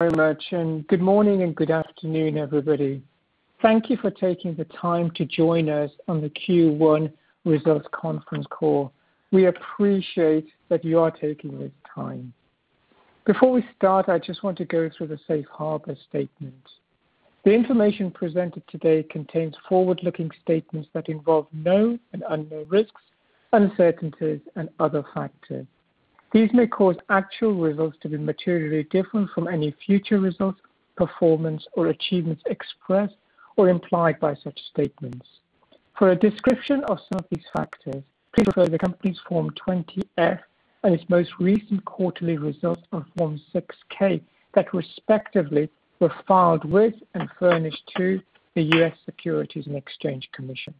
Very much, and good morning and good afternoon, everybody. Thank you for taking the time to join us on the Q1 results conference call. We appreciate that you are taking this time. Before we start, I just want to go through the safe harbor statement. The information presented today contains forward-looking statements that involve known and unknown risks, uncertainties and other factors. These may cause actual results to be materially different from any future results, performance, or achievements expressed or implied by such statements. For a description of some of these factors, please refer to the company's Form 20-F and its most recent quarterly results on Form 6-K that respectively were filed with and furnished to the U.S. Securities and Exchange Commission.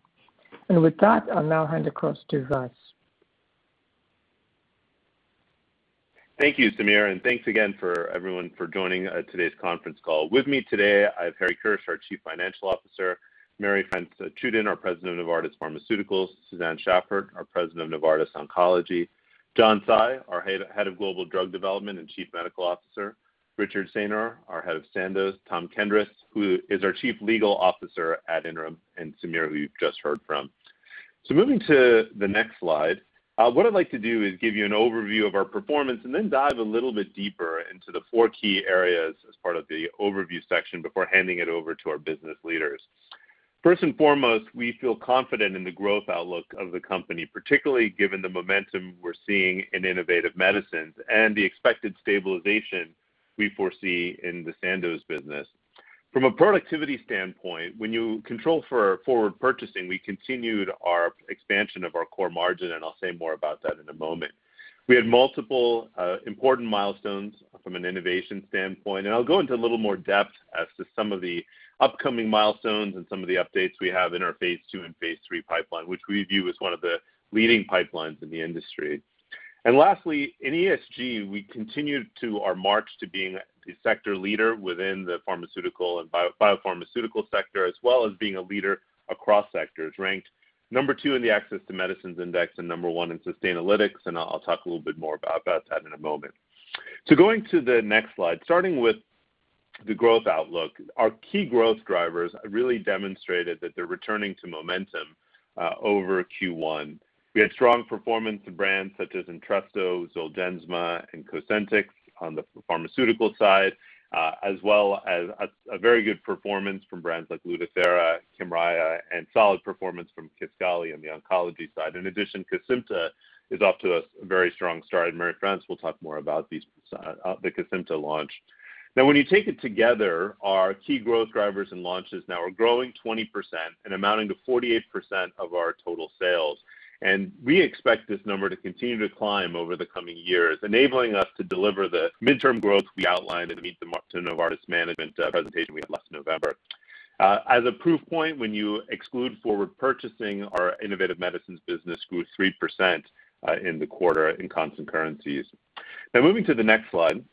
With that, I'll now hand across to Vas. Thank you, Samir, and thanks again for everyone for joining today's conference call. With me today, I have Harry Kirsch, our Chief Financial Officer, Marie-France Tschudin, our President of Novartis Pharmaceuticals, Susanne Schaffert, our President of Novartis Oncology, John Tsai, our Head of Global Drug Development and Chief Medical Officer, Richard Saynor, our Head of Sandoz, Tom Kendris, who is our Chief Legal Officer ad interim, and Samir, who you've just heard from. Moving to the next slide, what I'd like to do is give you an overview of our performance and then dive a little bit deeper into the four key areas as part of the overview section before handing it over to our business leaders. First and foremost, we feel confident in the growth outlook of the company, particularly given the momentum we're seeing in Innovative Medicines and the expected stabilization we foresee in the Sandoz business. From a productivity standpoint, when you control for forward purchasing, we continued our expansion of our core margin, and I'll say more about that in a moment. We had multiple important milestones from an innovation standpoint, and I'll go into a little more depth as to some of the upcoming milestones and some of the updates we have in our phase II and phase III pipeline, which we view as one of the leading pipelines in the industry. Lastly, in ESG, we continued to our march to being a sector leader within the pharmaceutical and biopharmaceutical sector, as well as being a leader across sectors, ranked number two in the Access to Medicine Index and number one in Sustainalytics, and I'll talk a little bit more about that in a moment. Going to the next slide, starting with the growth outlook, our key growth drivers really demonstrated that they're returning to momentum over Q1. We had strong performance in brands such as Entresto, Zolgensma, and Cosentyx on the pharmaceutical side as well as a very good performance from brands like Lucentis, Kymriah, and solid performance from Kisqali on the oncology side. In addition, Cosentyx is off to a very strong start, and Marie-France will talk more about the Cosentyx launch. Now when you take it together, our key growth drivers and launches now are growing 20% and amounting to 48% of our total sales. We expect this number to continue to climb over the coming years, enabling us to deliver the midterm growth we outlined and meet the Novartis management presentation we had last November. As a proof point, when you exclude forward purchasing, our Innovative Medicines business grew 3% in the quarter in constant currencies. Moving to the next slide.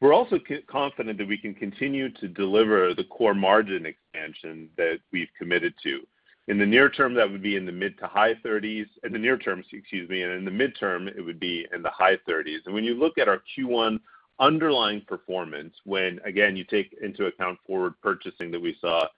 We're also confident that we can continue to deliver the core margin expansion that we've committed to. In the near term, that would be in the mid to high 30s. In the near term, excuse me. In the midterm, it would be in the high 30s. When you look at our Q1 underlying performance, when again, you take into account forward purchasing that we saw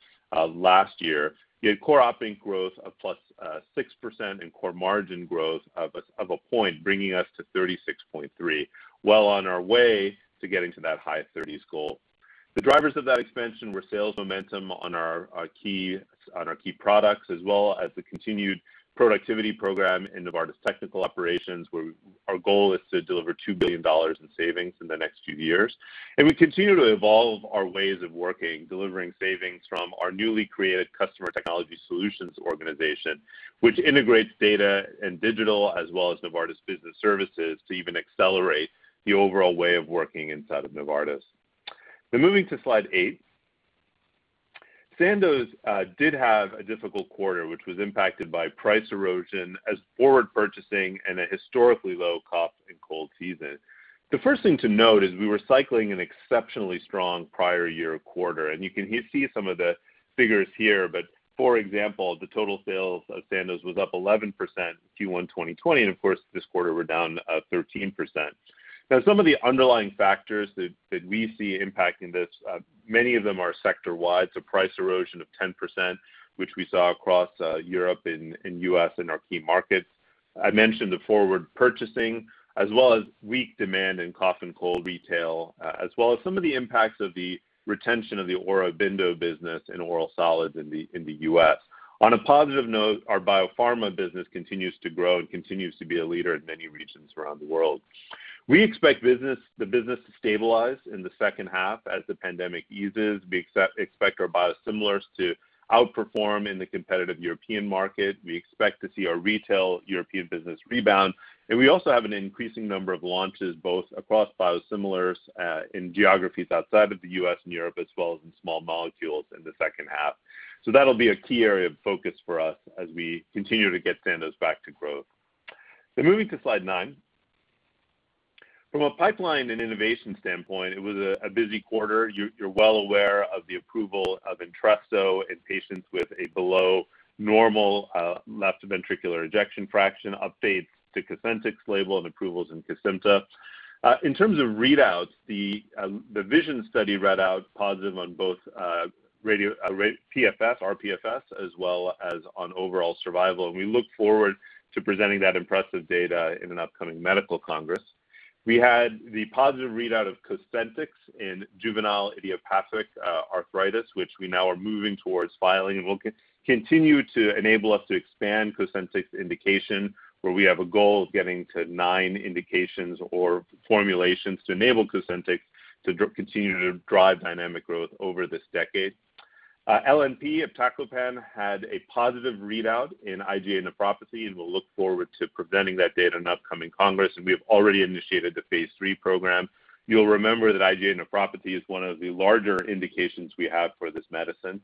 last year, you had core operating growth of +6% and core margin growth of a point, bringing us to 36.3%, well on our way to getting to that high 30s goal. The drivers of that expansion were sales momentum on our key products as well as the continued productivity program in Novartis Technical Operations, where our goal is to deliver $2 billion in savings in the next few years. We continue to evolve our ways of working, delivering savings from our newly created Customer Technology Solutions Organization, which integrates data and digital, as well as Novartis Business Services, to even accelerate the overall way of working inside of Novartis. Now moving to slide eight. Sandoz did have a difficult quarter, which was impacted by price erosion as forward purchasing and a historically low cough and cold season. The first thing to note is we were cycling an exceptionally strong prior year quarter, and you can see some of the figures here. For example, the total sales of Sandoz was up 11% Q1 2020, and of course, this quarter we're down 13%. Some of the underlying factors that we see impacting this, many of them are sector-wide. Price erosion of 10%, which we saw across Europe and U.S. in our key markets. I mentioned the forward purchasing as well as weak demand in cough and cold retail, as well as some of the impacts of the retention of the Aurobindo business in oral solids in the U.S. On a positive note, our biopharma business continues to grow and continues to be a leader in many regions around the world. We expect the business to stabilize in the second half as the pandemic eases. We expect our biosimilars to outperform in the competitive European market. We expect to see our retail European business rebound. We also have an increasing number of launches, both across biosimilars in geographies outside of the U.S. and Europe, as well as in small molecules in the second half. That'll be a key area of focus for us as we continue to get Sandoz back to growth. Moving to slide nine. From a pipeline and innovation standpoint, it was a busy quarter. You're well aware of the approval of Entresto in patients with a below normal left ventricular ejection fraction, updates to Cosentyx label and approvals in Cosyntyx. In terms of readouts, the VISION study read out positive on both PFS, rPFS, as well as on overall survival. We look forward to presenting that impressive data in an upcoming medical congress. We had the positive readout of Cosentyx in juvenile idiopathic arthritis, which we now are moving towards filing, and will continue to enable us to expand Cosentyx indication, where we have a goal of getting to nine indications or formulations to enable Cosentyx to continue to drive dynamic growth over this decade. LNP023, iptacopan had a positive readout in IgA nephropathy, and we'll look forward to presenting that data in an upcoming congress, and we have already initiated the phase III program. You'll remember that IgA nephropathy is one of the larger indications we have for this medicine.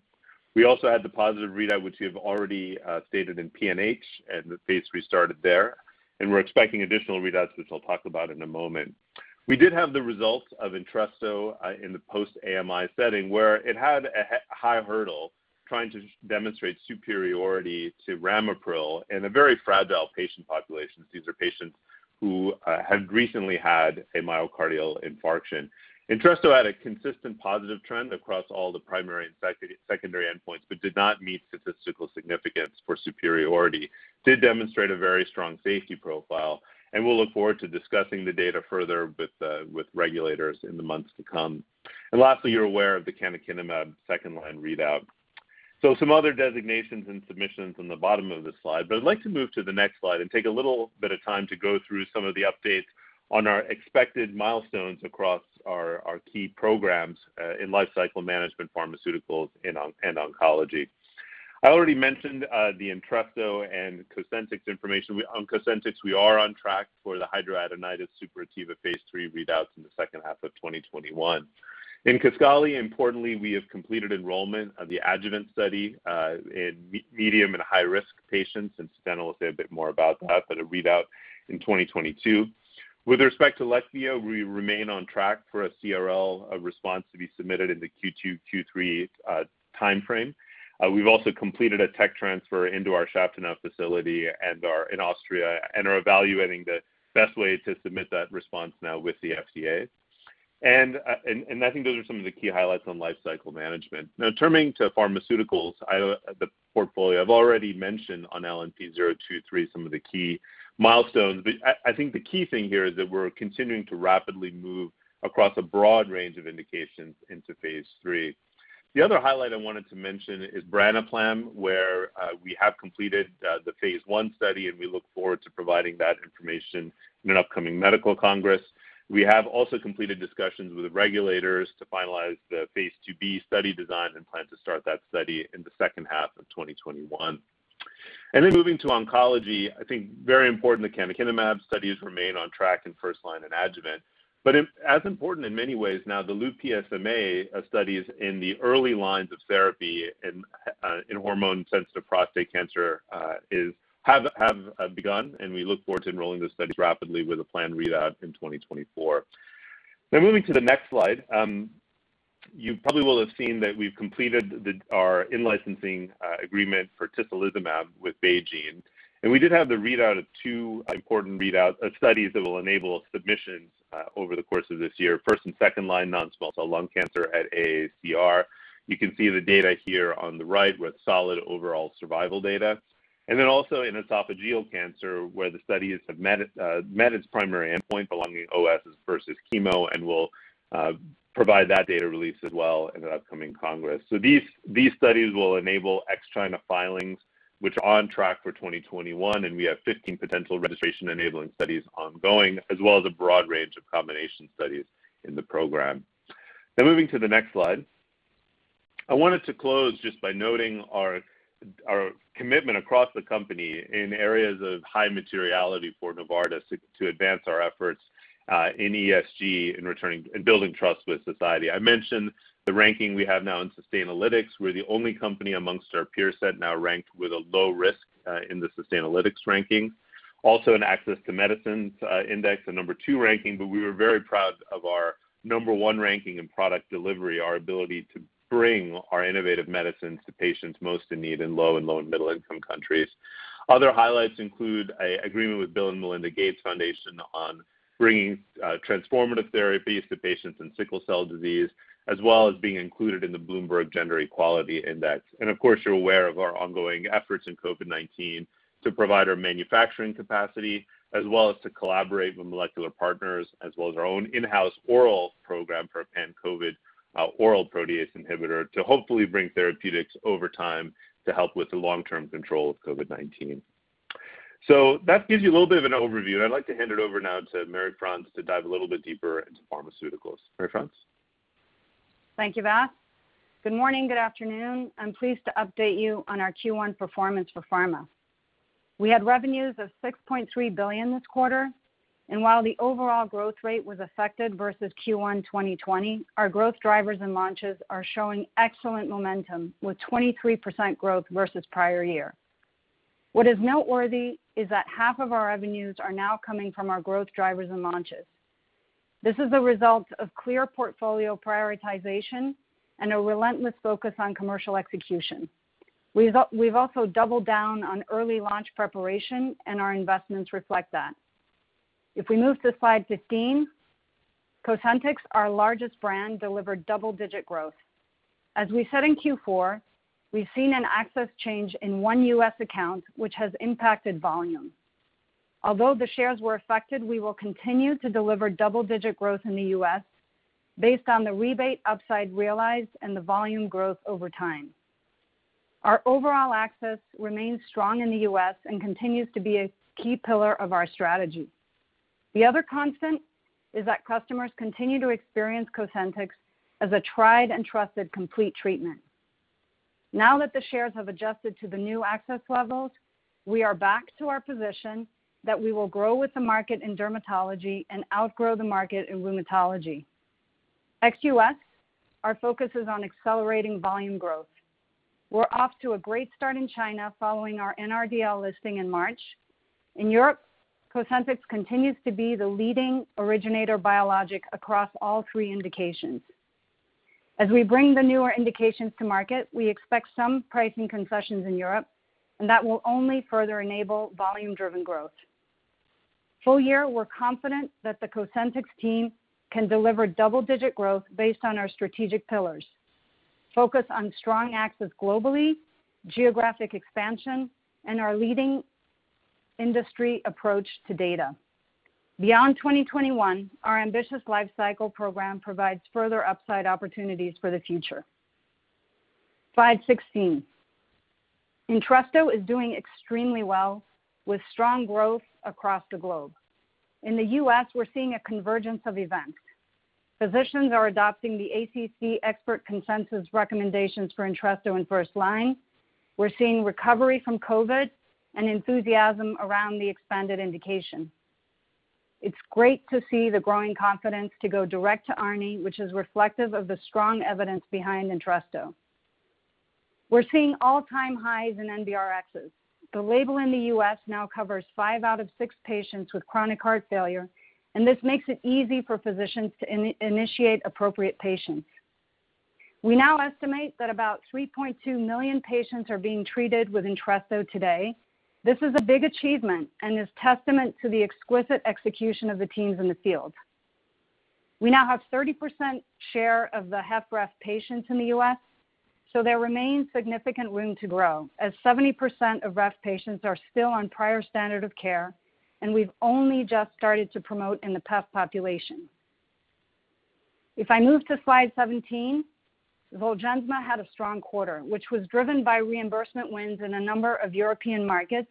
We also had the positive readout, which we have already stated in PNH and the phase we started there, and we're expecting additional readouts, which I'll talk about in a moment. We did have the results of Entresto in the post-AMI setting, where it had a high hurdle trying to demonstrate superiority to ramipril in a very fragile patient population. These are patients who had recently had a myocardial infarction. Entresto had a consistent positive trend across all the primary and secondary endpoints but did not meet statistical significance for superiority. Did demonstrate a very strong safety profile. We'll look forward to discussing the data further with regulators in the months to come. Lastly, you're aware of the canakinumab second line readout. Some other designations and submissions on the bottom of this slide, but I'd like to move to the next slide and take a little bit of time to go through some of the updates on our expected milestones across our key programs in life cycle management, pharmaceuticals, and oncology. I already mentioned the Entresto and Cosentyx information. On Cosentyx, we are on track for the hidradenitis suppurativa phase III readouts in the second half of 2021. In Kisqali, importantly, we have completed enrollment of the adjuvant study, in medium and high-risk patients, and John Tsai will say a bit more about that, but a readout in 2022. With respect to Leqvio, we remain on track for a CRL response to be submitted in the Q2, Q3 timeframe. We've also completed a tech transfer into our Schaftenau facility in Austria and are evaluating the best way to submit that response now with the FDA. I think those are some of the key highlights on life cycle management. Now turning to Pharmaceuticals, the portfolio I've already mentioned on LNP023 some of the key milestones, but I think the key thing here is that we're continuing to rapidly move across a broad range of indications into phase III. The other highlight I wanted to mention is branaplam, where we have completed the phase I study, and we look forward to providing that information in an upcoming medical congress. We have also completed discussions with the regulators to finalize the phase II-B study design and plan to start that study in the second half of 2021. Moving to oncology, I think very important that canakinumab studies remain on track in first line and adjuvant. As important in many ways now, the Lu-PSMA studies in the early lines of therapy in hormone-sensitive prostate cancer have begun, and we look forward to enrolling those studies rapidly with a planned readout in 2024. Moving to the next slide. You probably will have seen that we've completed our in-licensing agreement for tislelizumab with BeiGene, and we did have the readout of two important studies that will enable submissions over the course of this year, first and second-line non-small cell lung cancer at AACR. You can see the data here on the right with solid overall survival data. Also in esophageal cancer, where the studies have met its primary endpoint along the OSs versus chemo and will provide that data release as well in an upcoming congress. These studies will enable ex China filings, which are on track for 2021, and we have 15 potential registration-enabling studies ongoing, as well as a broad range of combination studies in the program. Moving to the next slide. I wanted to close just by noting our commitment across the company in areas of high materiality for Novartis to advance our efforts in ESG in building trust with society. I mentioned the ranking we have now in Sustainalytics. We're the only company amongst our peer set now ranked with a low risk in the Sustainalytics ranking. In Access to Medicine Index, a number two ranking, but we were very proud of our number one ranking in product delivery, our ability to bring our innovative medicines to patients most in need in low and middle-income countries. Other highlights include an agreement with Bill & Melinda Gates Foundation on bringing transformative therapies to patients in sickle cell disease, as well as being included in the Bloomberg Gender-Equality Index. Of course, you're aware of our ongoing efforts in COVID-19 to provide our manufacturing capacity as well as to collaborate with Molecular Partners, as well as our own in-house oral program for a pan-COVID oral protease inhibitor to hopefully bring therapeutics over time to help with the long-term control of COVID-19. That gives you a little bit of an overview, and I'd like to hand it over now to Marie-France Tschudin to dive a little bit deeper into pharmaceuticals. Marie-France? Thank you, Vas. Good morning, good afternoon. I'm pleased to update you on our Q1 performance for pharma. We had revenues of $6.3 billion this quarter, and while the overall growth rate was affected versus Q1 2020, our growth drivers and launches are showing excellent momentum with 23% growth versus prior year. What is noteworthy is that half of our revenues are now coming from our growth drivers and launches. This is a result of clear portfolio prioritization and a relentless focus on commercial execution. We've also doubled down on early launch preparation, and our investments reflect that. If we move to slide 15, Cosentyx, our largest brand, delivered double-digit growth. As we said in Q4, we've seen an access change in one U.S. account, which has impacted volume. Although the shares were affected, we will continue to deliver double-digit growth in the U.S. based on the rebate upside realized and the volume growth over time. Our overall access remains strong in the U.S. and continues to be a key pillar of our strategy. The other constant is that customers continue to experience Cosentyx as a tried and trusted complete treatment. Now that the shares have adjusted to the new access levels, we are back to our position that we will grow with the market in dermatology and outgrow the market in rheumatology. Ex-U.S., our focus is on accelerating volume growth. We're off to a great start in China following our NRDL listing in March. In Europe, Cosentyx continues to be the leading originator biologic across all three indications. As we bring the newer indications to market, we expect some pricing concessions in Europe, and that will only further enable volume-driven growth. Full year, we're confident that the Cosentyx team can deliver double-digit growth based on our strategic pillars. Focus on strong access globally, geographic expansion, and our leading industry approach to data. Beyond 2021, our ambitious life cycle program provides further upside opportunities for the future. Slide 16. Entresto is doing extremely well with strong growth across the globe. In the U.S., we're seeing a convergence of events. Physicians are adopting the ACC expert consensus recommendations for Entresto in first line. We're seeing recovery from COVID and enthusiasm around the expanded indication. It's great to see the growing confidence to go direct to ARNI, which is reflective of the strong evidence behind Entresto. We're seeing all-time highs in NBRXs. The label in the U.S. now covers five out of six patients with chronic heart failure. This makes it easy for physicians to initiate appropriate patients. We now estimate that about 3.2 million patients are being treated with Entresto today. This is a big achievement and is testament to the exquisite execution of the teams in the field. We now have 30% share of the HFpEF patients in the U.S. There remains significant room to grow as 70% of HFpEF patients are still on prior standard of care. We've only just started to promote in the HFpEF population. If I move to slide 17, Zolgensma had a strong quarter, which was driven by reimbursement wins in a number of European markets,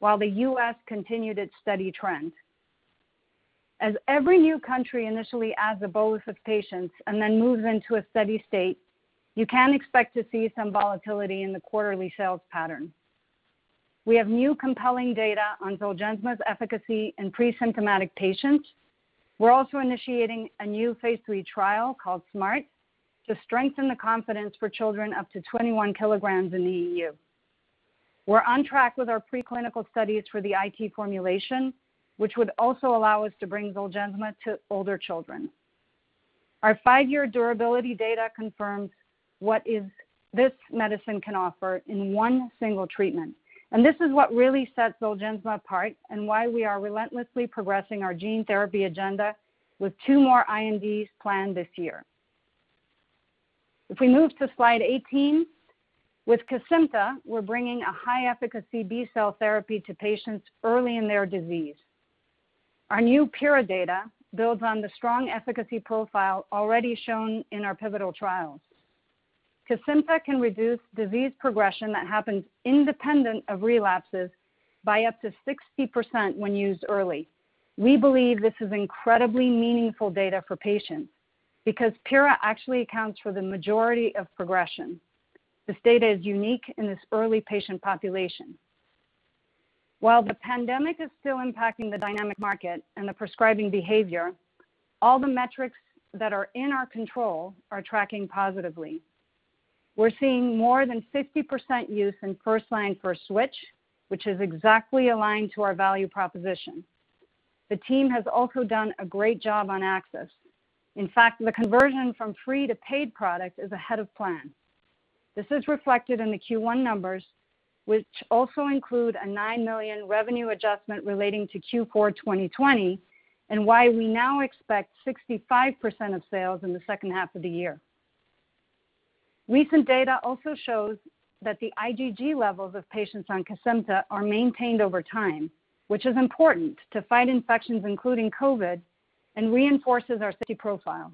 while the U.S. continued its steady trend. As every new country initially adds a bolus of patients and then moves into a steady state, you can expect to see some volatility in the quarterly sales pattern. We have new compelling data on Zolgensma's efficacy in pre-symptomatic patients. We're also initiating a new phase III trial called SMART to strengthen the confidence for children up to 21 kg in the EU. We're on track with our preclinical studies for the IT formulation, which would also allow us to bring Zolgensma to older children. Our five-year durability data confirms what this medicine can offer in one single treatment, and this is what really sets Zolgensma apart and why we are relentlessly progressing our gene therapy agenda with two more INDs planned this year. If we move to slide 18, with Kesimpta, we're bringing a high-efficacy B-cell therapy to patients early in their disease. Our new PIRA data builds on the strong efficacy profile already shown in our pivotal trials. Kesimpta can reduce disease progression that happens independent of relapses by up to 60% when used early. We believe this is incredibly meaningful data for patients because PIRA actually accounts for the majority of progression. This data is unique in this early patient population. While the pandemic is still impacting the dynamic market and the prescribing behavior, all the metrics that are in our control are tracking positively. We're seeing more than 60% use in first-line for switch, which is exactly aligned to our value proposition. The team has also done a great job on access. In fact, the conversion from free to paid product is ahead of plan. This is reflected in the Q1 numbers, which also include a 9 million revenue adjustment relating to Q4 2020 and why we now expect 65% of sales in the second half of the year. Recent data also shows that the IgG levels of patients on Kesimpta are maintained over time, which is important to fight infections including COVID, and reinforces our safety profile.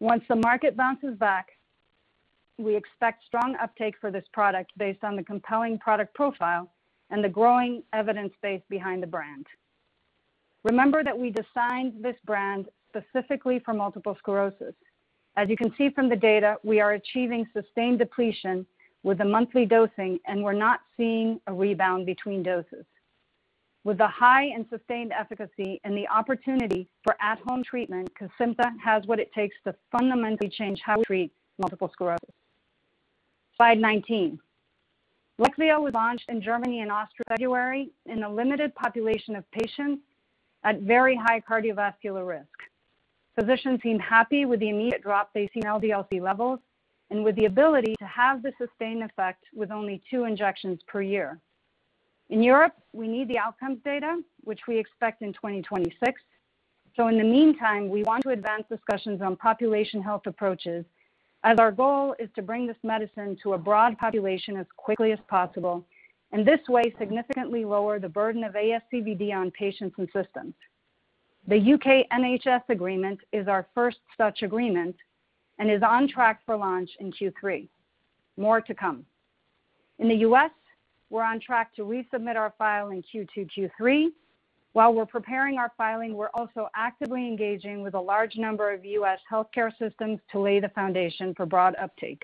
Once the market bounces back, we expect strong uptake for this product based on the compelling product profile and the growing evidence base behind the brand. Remember that we designed this brand specifically for multiple sclerosis. As you can see from the data, we are achieving sustained depletion with a monthly dosing. We're not seeing a rebound between doses. With the high and sustained efficacy and the opportunity for at-home treatment, Kesimpta has what it takes to fundamentally change how we treat multiple sclerosis. Slide 19. Leqvio was launched in Germany and Austria in February in a limited population of patients at very high cardiovascular risk. Physicians seem happy with the immediate drop they see in LDL-C levels and with the ability to have the sustained effect with only two injections per year. In Europe, we need the outcomes data, which we expect in 2026. In the meantime, we want to advance discussions on population health approaches as our goal is to bring this medicine to a broad population as quickly as possible, and this way significantly lower the burden of ASCVD on patients and systems. The U.K. NHS agreement is our first such agreement and is on track for launch in Q3. More to come. In the U.S., we're on track to resubmit our file in Q2, Q3. While we're preparing our filing, we're also actively engaging with a large number of U.S. healthcare systems to lay the foundation for broad uptake.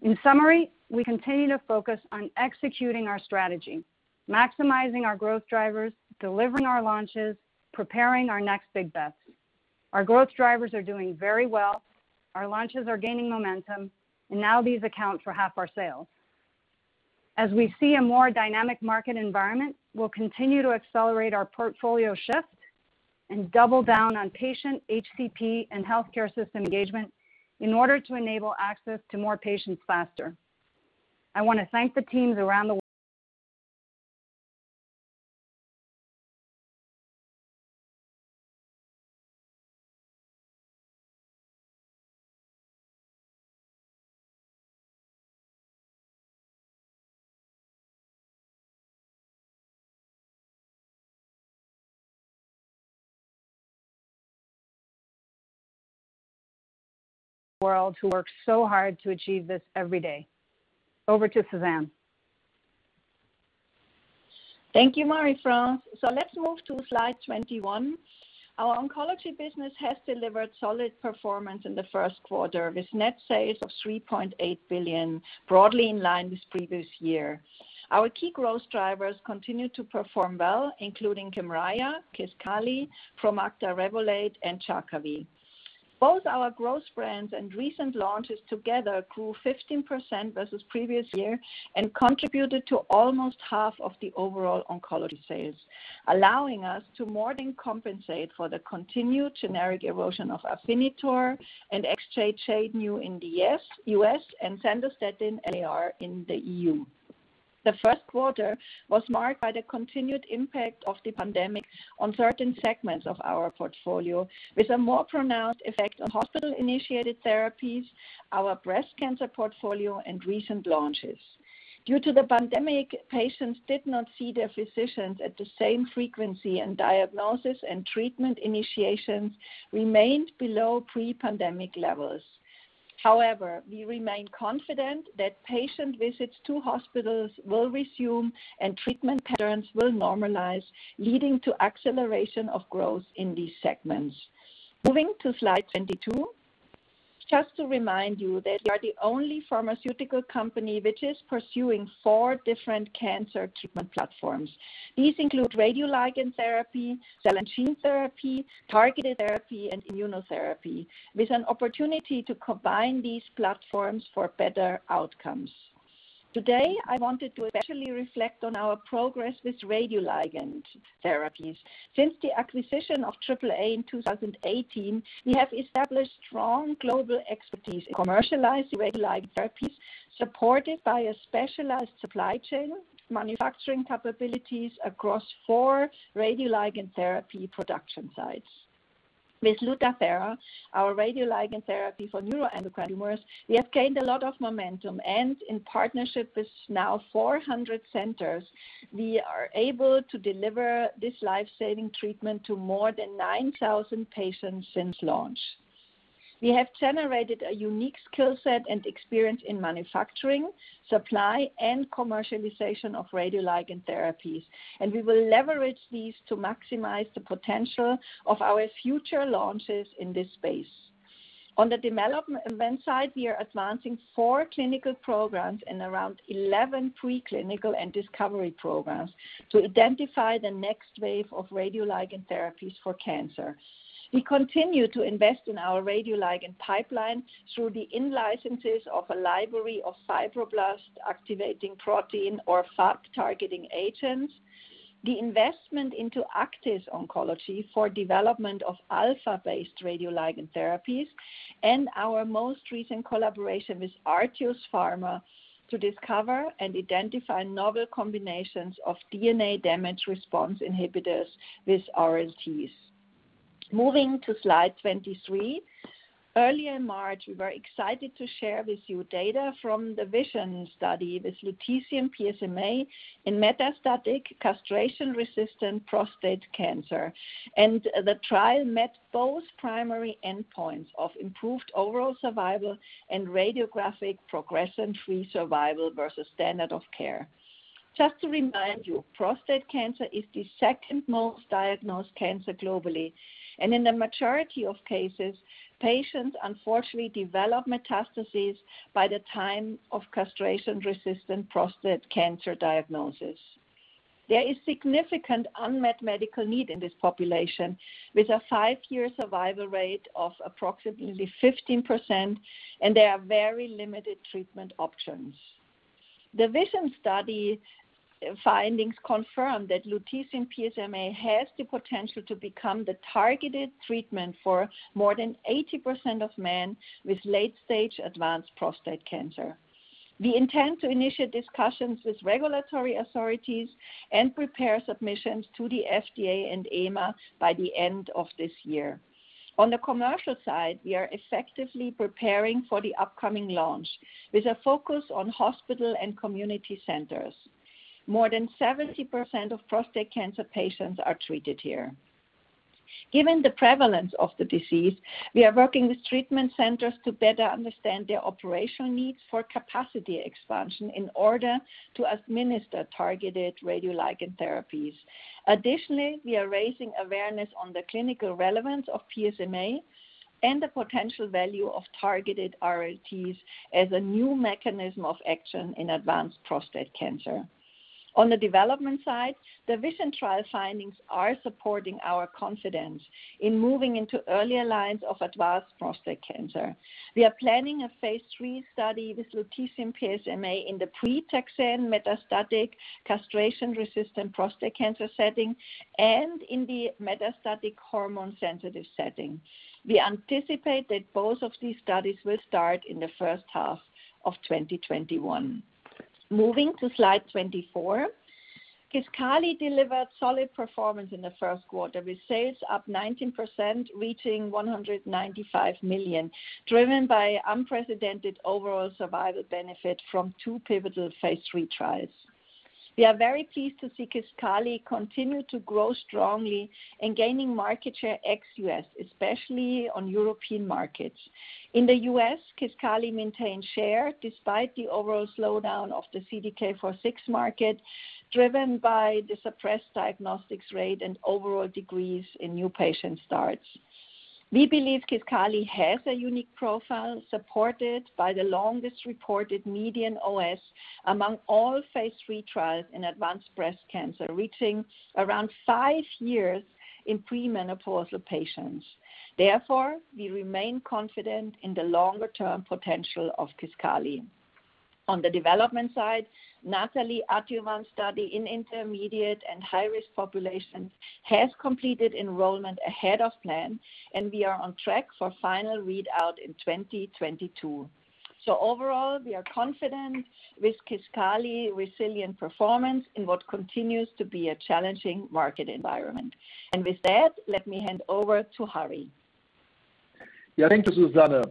In summary, we continue to focus on executing our strategy, maximizing our growth drivers, delivering our launches, preparing our next big bets. Our growth drivers are doing very well. Our launches are gaining momentum, and now these account for half our sales. As we see a more dynamic market environment, we'll continue to accelerate our portfolio shift and double down on patient, HCP, and healthcare system engagement in order to enable access to more patients faster. I want to thank the teams around the world who work so hard to achieve this every day. Over to Susanne. Thank you, Marie-France. Let's move to slide 21. Our oncology business has delivered solid performance in the first quarter, with net sales of $3.8 billion, broadly in line with previous year. Our key growth drivers continued to perform well, including Kymriah, Kisqali, Promacta, Revolade, and Jakavi. Both our growth brands and recent launches together grew 15% versus the previous year and contributed to almost half of the overall oncology sales, allowing us to more than compensate for the continued generic erosion of Afinitor and Exjade in the U.S. and Sandostatin LAR in the EU. The first quarter was marked by the continued impact of the pandemic on certain segments of our portfolio, with a more pronounced effect on hospital-initiated therapies, our breast cancer portfolio, and recent launches. Due to the pandemic, patients did not see their physicians at the same frequency, and diagnosis and treatment initiations remained below pre-pandemic levels. We remain confident that patient visits to hospitals will resume and treatment patterns will normalize, leading to acceleration of growth in these segments. Moving to slide 22. Just to remind you that we are the only pharmaceutical company which is pursuing four different cancer treatment platforms. These include radioligand therapy, cell and gene therapy, targeted therapy, and immunotherapy, with an opportunity to combine these platforms for better outcomes. Today, I wanted to especially reflect on our progress with radioligand therapies. Since the acquisition of AAA in 2018, we have established strong global expertise in commercializing radioligand therapies, supported by a specialized supply chain, manufacturing capabilities across four radioligand therapy production sites. With Lutathera, our radioligand therapy for neuroendocrine tumors, we have gained a lot of momentum. In partnership with now 400 centers, we are able to deliver this life-saving treatment to more than 9,000 patients since launch. We have generated a unique skill set and experience in manufacturing, supply, and commercialization of radioligand therapies. We will leverage these to maximize the potential of our future launches in this space. On the development side, we are advancing four clinical programs and around 11 pre-clinical and discovery programs to identify the next wave of radioligand therapies for cancer. We continue to invest in our radioligand pipeline through the in-licenses of a library of fibroblast-activating protein or FAP-targeting agents, the investment into Aktis Oncology for development of alpha-based radioligand therapies. Our most recent collaboration with Artios Pharma to discover and identify novel combinations of DNA damage response inhibitors with RLTs. Moving to slide 23. Earlier in March, we were excited to share with you data from the VISION study with Lutetium PSMA in metastatic castration-resistant prostate cancer. The trial met both primary endpoints of improved overall survival and radiographic progression-free survival versus standard of care. Just to remind you, prostate cancer is the second most diagnosed cancer globally, and in the majority of cases, patients unfortunately develop metastases by the time of castration-resistant prostate cancer diagnosis. There is significant unmet medical need in this population, with a five-year survival rate of approximately 15%, and there are very limited treatment options. The VISION study findings confirm that Lutetium PSMA has the potential to become the targeted treatment for more than 80% of men with late-stage advanced prostate cancer. We intend to initiate discussions with regulatory authorities and prepare submissions to the FDA and EMA by the end of this year. On the commercial side, we are effectively preparing for the upcoming launch, with a focus on hospital and community centers. More than 70% of prostate cancer patients are treated here. Given the prevalence of the disease, we are working with treatment centers to better understand their operational needs for capacity expansion in order to administer targeted Radioligand Therapies. Additionally, we are raising awareness on the clinical relevance of PSMA and the potential value of targeted RLTs as a new mechanism of action in advanced prostate cancer. On the development side, the VISION trial findings are supporting our confidence in moving into earlier lines of advanced prostate cancer. We are planning a phase III study with lutetium PSMA in the pre-taxane metastatic castration-resistant prostate cancer setting and in the metastatic hormone-sensitive setting. We anticipate that both of these studies will start in the first half of 2021. Moving to slide 24. Kisqali delivered solid performance in the first quarter, with sales up 19%, reaching $195 million, driven by unprecedented overall survival benefit from two pivotal phase III trials. We are very pleased to see Kisqali continue to grow strongly in gaining market share ex-US, especially on European markets. In the U.S., Kisqali maintained share despite the overall slowdown of the CDK4/6 market, driven by the suppressed diagnostics rate and overall decrease in new patient starts. We believe Kisqali has a unique profile, supported by the longest reported median OS among all phase III trials in advanced breast cancer, reaching around five years in pre-menopausal patients. We remain confident in the longer-term potential of Kisqali. On the development side, NATALEE adjuvant study in intermediate and high-risk populations has completed enrollment ahead of plan, and we are on track for final readout in 2022. Overall, we are confident with Kisqali resilient performance in what continues to be a challenging market environment. With that, let me hand over to Harry. Yeah, thank you, Susanne.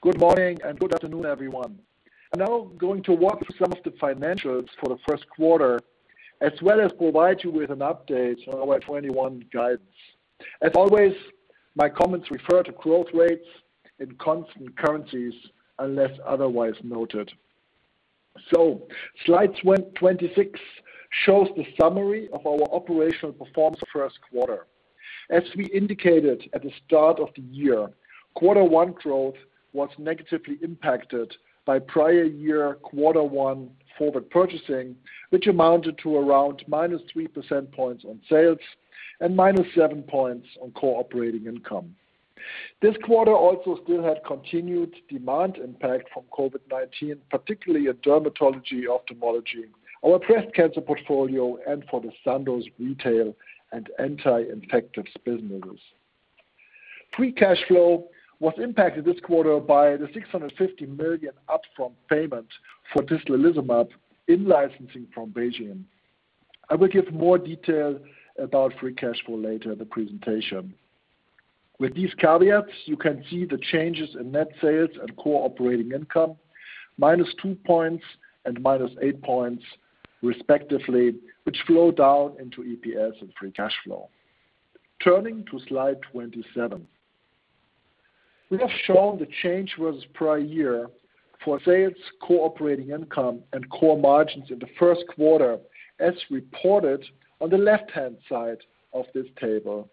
Good morning and good afternoon, everyone. I'm now going to walk through some of the financials for the first quarter, as well as provide you with an update on our 2021 guidance. As always, my comments refer to growth rates in constant currencies, unless otherwise noted. Slide 26 shows the summary of our operational performance first quarter. As we indicated at the start of the year, quarter one growth was negatively impacted by prior year quarter one forward purchasing, which amounted to around -3 percentage points on sales and -seven points on core operating income. This quarter also still had continued demand impact from COVID-19, particularly in dermatology, ophthalmology, our breast cancer portfolio, and for the Sandoz retail and anti-infectives businesses. Free cash flow was impacted this quarter by the 650 million upfront payment for tislelizumab in-licensing from BeiGene. I will give more detail about free cash flow later in the presentation. With these caveats, you can see the changes in net sales and core operating income, -2 points and -8 points respectively, which flow down into EPS and free cash flow. Turning to slide 27. We have shown the change versus prior year for sales, core operating income, and core margins in the first quarter, as reported on the left-hand side of this table.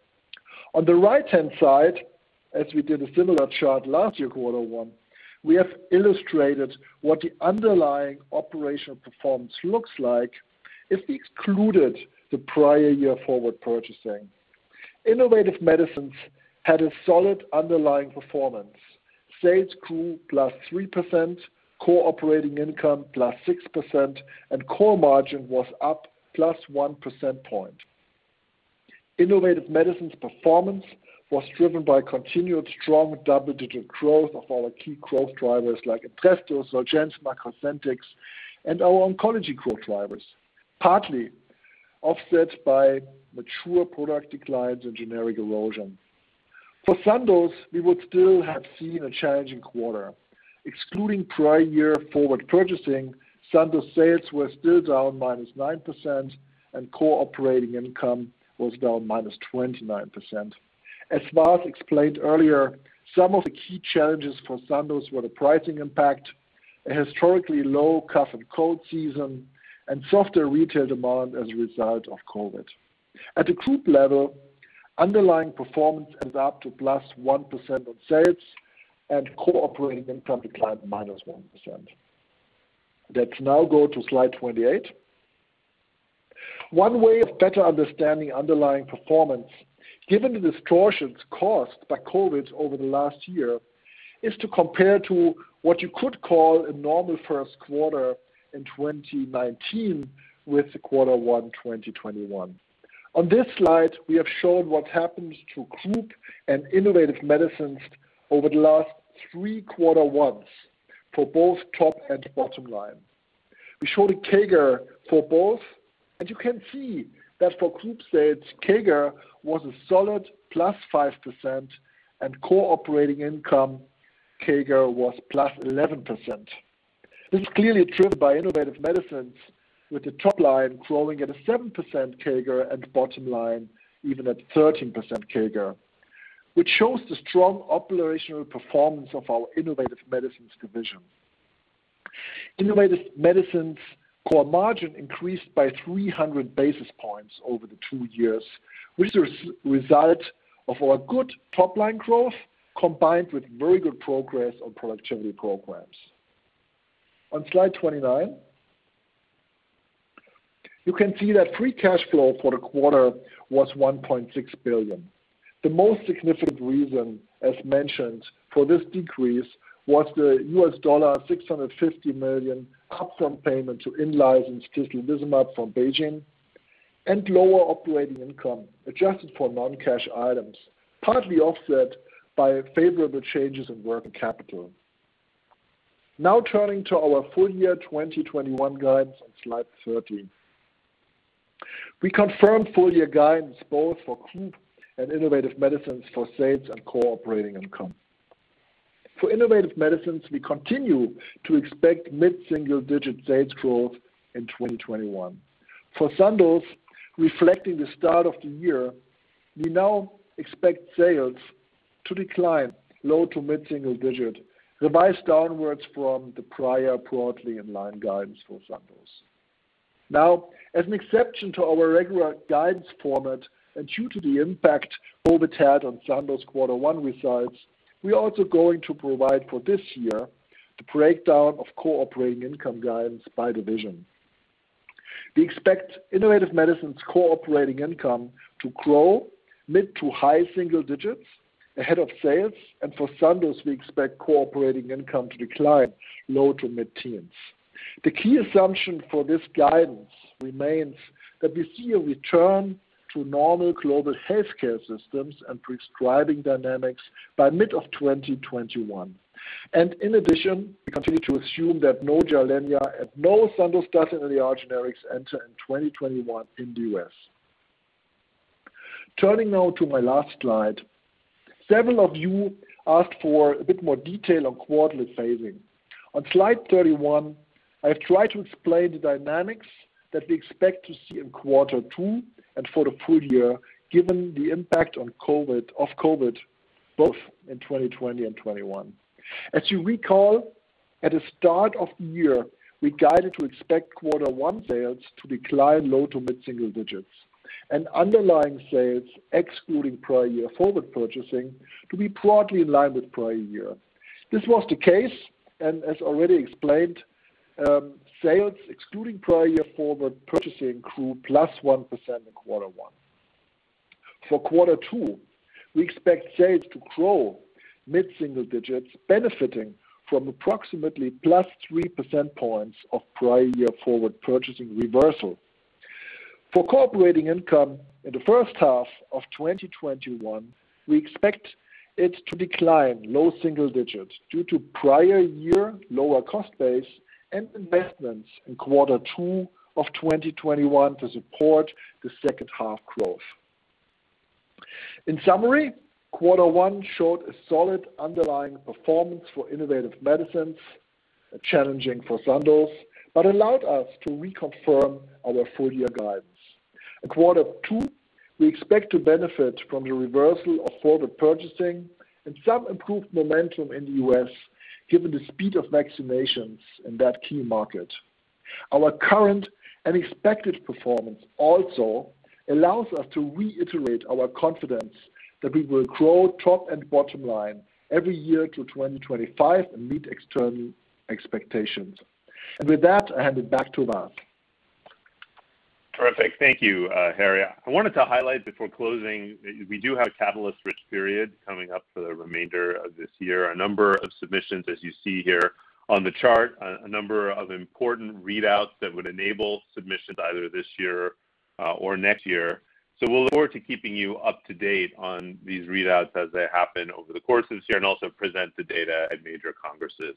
On the right-hand side, as we did a similar chart last year, quarter one, we have illustrated what the underlying operational performance looks like if we excluded the prior year forward purchasing. Innovative Medicines had a solid underlying performance. Sales grew +3%, core operating income +6%, and core margin was up +1% point. Innovative Medicines performance was driven by continued strong double-digit growth of our key growth drivers like Entresto, Zolgensma, Cosentyx, and our oncology growth drivers, partly offset by mature product declines and generic erosion. For Sandoz, we would still have seen a challenging quarter. Excluding prior year forward purchasing, Sandoz sales were still down minus 9%, and core operating income was down -29%. As Vas explained earlier, some of the key challenges for Sandoz were the pricing impact, a historically low cough and cold season, and softer retail demand as a result of COVID. At a group level, underlying performance ends up to +1% on sales and core operating income declined -1%. Let's now go to slide 28. One way of better understanding underlying performance, given the distortions caused by COVID over the last year, is to compare to what you could call a normal first quarter in 2019 with the quarter one 2021. On this slide, we have shown what happens to group and Innovative Medicines over the last three quarter ones for both top and bottom line. We show the CAGR for both, and you can see that for group sales, CAGR was a solid +5%, and core operating income CAGR was +11%. This is clearly driven by Innovative Medicines with the top line growing at a 7% CAGR and bottom line even at 13% CAGR, which shows the strong operational performance of our Innovative Medicines division. Innovative Medicines core margin increased by 300 basis points over the two years, which is a result of our good top-line growth, combined with very good progress on productivity programs. On slide 29, you can see that free cash flow for the quarter was $1.6 billion. The most significant reason, as mentioned, for this decrease was the $650 million upfront payment to in-license tislelizumab from BeiGene and lower operating income, adjusted for non-cash items, partly offset by favorable changes in working capital. Now turning to our full year 2021 guidance on slide 30. We confirmed full-year guidance both for Group and Innovative Medicines for sales and core operating income. For Innovative Medicines, we continue to expect mid-single digit sales growth in 2021. For Sandoz, reflecting the start of the year, we now expect sales to decline low to mid-single digit, revised downwards from the prior broadly in line guidance for Sandoz. As an exception to our regular guidance format and due to the impact COVID had on Sandoz quarter one results, we are also going to provide for this year the breakdown of core operating income guidance by division. We expect Innovative Medicines' core operating income to grow mid to high single digits ahead of sales. For Sandoz, we expect core operating income to decline low to mid-teens. The key assumption for this guidance remains that we see a return to normal global healthcare systems and prescribing dynamics by mid of 2021. In addition, we continue to assume that no Gilenya and no Sandoz dasatinib generics enter in 2021 in the U.S. Turning now to my last slide. Several of you asked for a bit more detail on quarterly phasing. On slide 31, I have tried to explain the dynamics that we expect to see in quarter two and for the full year, given the impact of COVID both in 2020 and 2021. As you recall, at the start of the year, we guided to expect quarter one sales to decline low to mid-single digits and underlying sales, excluding prior year forward purchasing, to be broadly in line with prior year. This was the case. As already explained, sales excluding prior year forward purchasing grew +1% in quarter one. For quarter two, we expect sales to grow mid-single digits, benefiting from approximately +3% points of prior year forward purchasing reversal. For core operating income in the first half of 2021, we expect it to decline low single digits due to prior year lower cost base and investments in quarter two of 2021 to support the second half growth. In summary, quarter one showed a solid underlying performance for Innovative Medicines, challenging for Sandoz, allowed us to reconfirm our full year guidance. At quarter two, we expect to benefit from the reversal of forward purchasing and some improved momentum in the U.S. given the speed of vaccinations in that key market. Our current and expected performance also allows us to reiterate our confidence that we will grow top and bottom line every year to 2025 and meet external expectations. With that, I hand it back to Vas. Terrific. Thank you, Harry. I wanted to highlight before closing, we do have a catalyst-rich period coming up for the remainder of this year. A number of submissions as you see here on the chart, a number of important readouts that would enable submissions either this year or next year. We'll look forward to keeping you up to date on these readouts as they happen over the course of this year and also present the data at major congresses.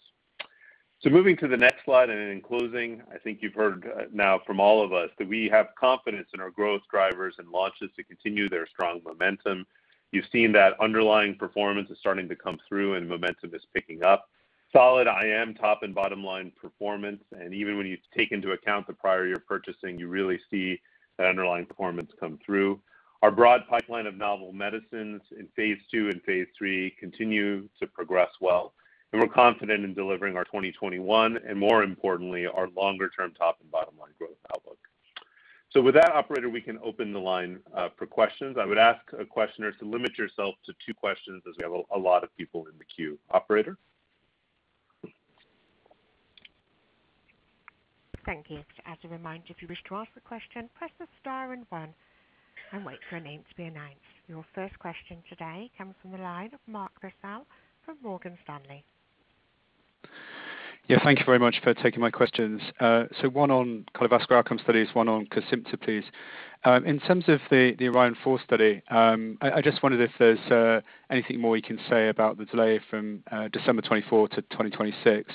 Moving to the next slide and in closing, I think you've heard now from all of us that we have confidence in our growth drivers and launches to continue their strong momentum. You've seen that underlying performance is starting to come through and momentum is picking up. Solid IM top and bottom line performance. Even when you take into account the prior year purchasing, you really see that underlying performance come through. Our broad pipeline of novel medicines in phase II and phase III continue to progress well. We're confident in delivering our 2021 and more importantly, our longer term top and bottom line. So with that operator, we can open the line for questions. I would ask questioners to limit yourself to two questions as we have a lot of people in the queue. Operator? Thank you. As a reminder, if you wish to ask a question, press star one and wait for your name to be announced. Your first question today comes from the line of Mark Purcell from Morgan Stanley. Yeah. Thank you very much for taking my questions. One on cardiovascular outcome studies, one on Cosentyx. In terms of the ORION-4 study, I just wondered if there's anything more you can say about the delay from December 2024 to 2026,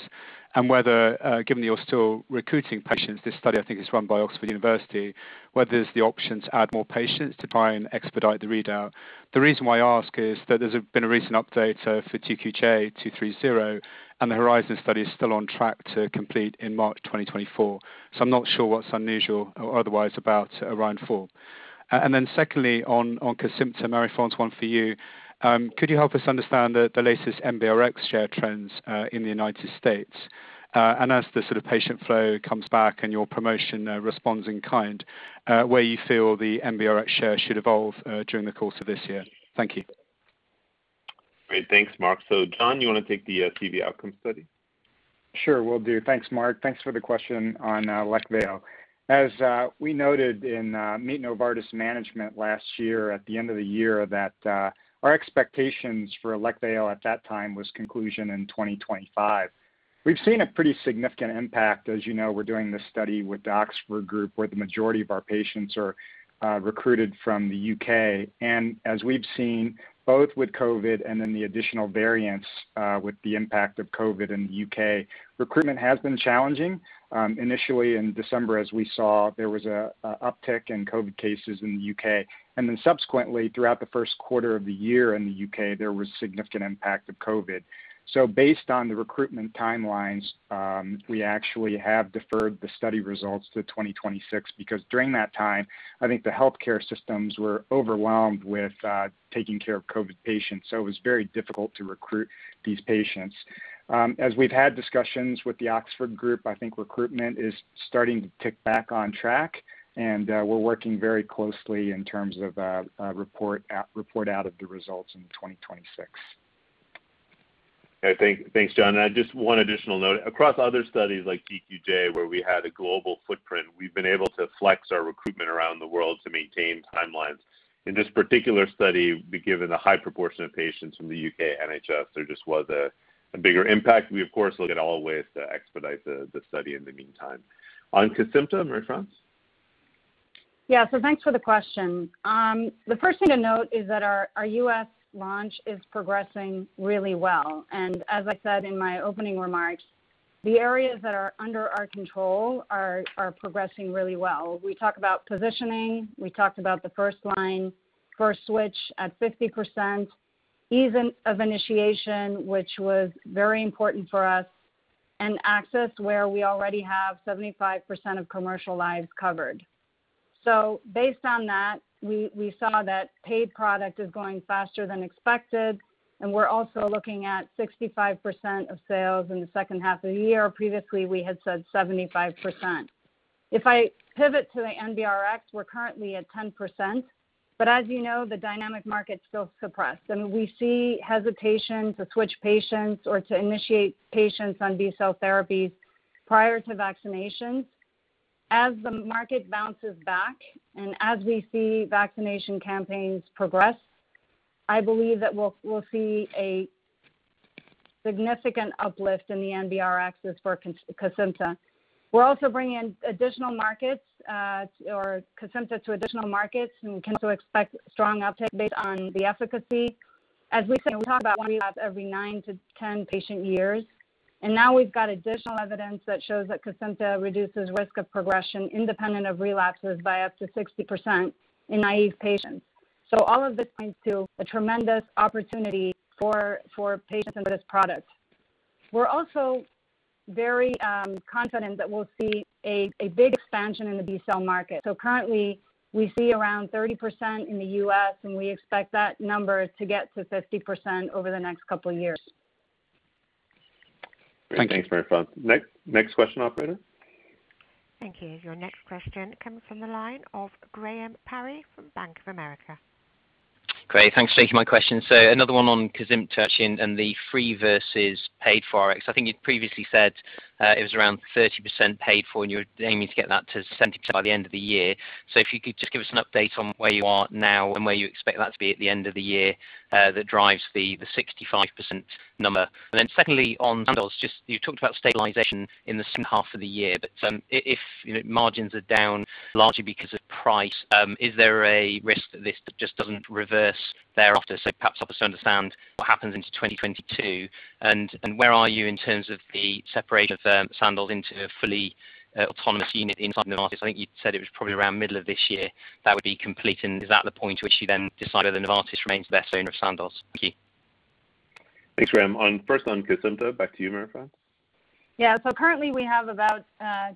and whether, given that you're still recruiting patients, this study, I think, is run by the University of Oxford, whether there's the option to add more patients to try and expedite the readout. The reason why I ask is that there's been a recent update for TQJ230, and the HORIZON study is still on track to complete in March 2024. I'm not sure what's unusual or otherwise about ORION-4. Secondly, on Cosentyx, Marie-France, one for you. Could you help us understand the latest NBRx share trends in the U.S.? As the sort of patient flow comes back and your promotion responds in kind, where you feel the NBRx share should evolve during the course of this year? Thank you. Great. Thanks, Mark. John, you want to take the CV outcome study? Sure. Will do. Thanks, Mark. Thanks for the question on Leqvio. We noted in Meet Novartis Management last year at the end of the year that our expectations for Leqvio at that time was conclusion in 2025. We've seen a pretty significant impact. You know, we're doing this study with the Oxford Group, where the majority of our patients are recruited from the U.K. We've seen both with COVID and then the additional variants with the impact of COVID in the U.K., recruitment has been challenging. Initially in December, as we saw, there was an uptick in COVID cases in the U.K., and then subsequently throughout the first quarter of the year in the U.K., there was significant impact of COVID. Based on the recruitment timelines, we actually have deferred the study results to 2026 because during that time, I think the healthcare systems were overwhelmed with taking care of COVID patients. It was very difficult to recruit these patients. As we've had discussions with the Oxford Group, I think recruitment is starting to tick back on track, and we're working very closely in terms of a report out of the results in 2026. Okay. Thanks, John. Just one additional note. Across other studies like DGQ, where we had a global footprint, we've been able to flex our recruitment around the world to maintain timelines. In this particular study, given the high proportion of patients from the U.K. NHS, there just was a bigger impact. We, of course, look at all ways to expedite the study in the meantime. On Cosentyx, Marie-France? Yeah. Thanks for the question. The first thing to note is that our U.S. launch is progressing really well. As I said in my opening remarks, the areas that are under our control are progressing really well. We talk about positioning. We talked about the first-line first switch at 50%, ease of initiation, which was very important for us, and access where we already have 75% of commercial lives covered. Based on that, we saw that paid product is going faster than expected, and we're also looking at 65% of sales in the second half of the year. Previously, we had said 75%. If I pivot to the NBRx, we're currently at 10%, but as you know, the dynamic market's still suppressed, and we see hesitation to switch patients or to initiate patients on B-cell therapies prior to vaccinations. As the market bounces back and as we see vaccination campaigns progress, I believe that we'll see a significant uplift in the NBRx for Cosentyx. We're also bringing in Cosentyx to additional markets and can also expect strong uptick based on the efficacy. As we said when we talk about one relapse every nine to 10 patient years, now we've got additional evidence that shows that Cosentyx reduces risk of progression independent of relapses by up to 60% in naive patients. All of this points to a tremendous opportunity for patients under this product. We're also very confident that we'll see a big expansion in the B-cell market. Currently we see around 30% in the U.S., and we expect that number to get to 50% over the next couple of years. Thank you. Great. Thanks, Marie-France. Next question, operator. Thank you. Your next question comes from the line of Graham Parry from Bank of America. Great. Thanks for taking my question. Another one on Cosentyx and the free versus paid for, because I think you'd previously said it was around 30% paid for, and you're aiming to get that to 70% by the end of the year. If you could just give us an update on where you are now and where you expect that to be at the end of the year that drives the 65% number. Secondly, on Sandoz, you talked about stabilization in the second half of the year. If margins are down largely because of price, is there a risk that this just doesn't reverse thereafter? Perhaps help us to understand what happens into 2022 and where are you in terms of the separation of Sandoz into a fully autonomous unit inside Novartis? I think you said it was probably around middle of this year that would be complete, and is that the point which you then decide whether Novartis remains the best owner of Sandoz? Thank you. Thanks, Graham. First on Cosentyx, back to you, Marie-France. Yeah. Currently we have about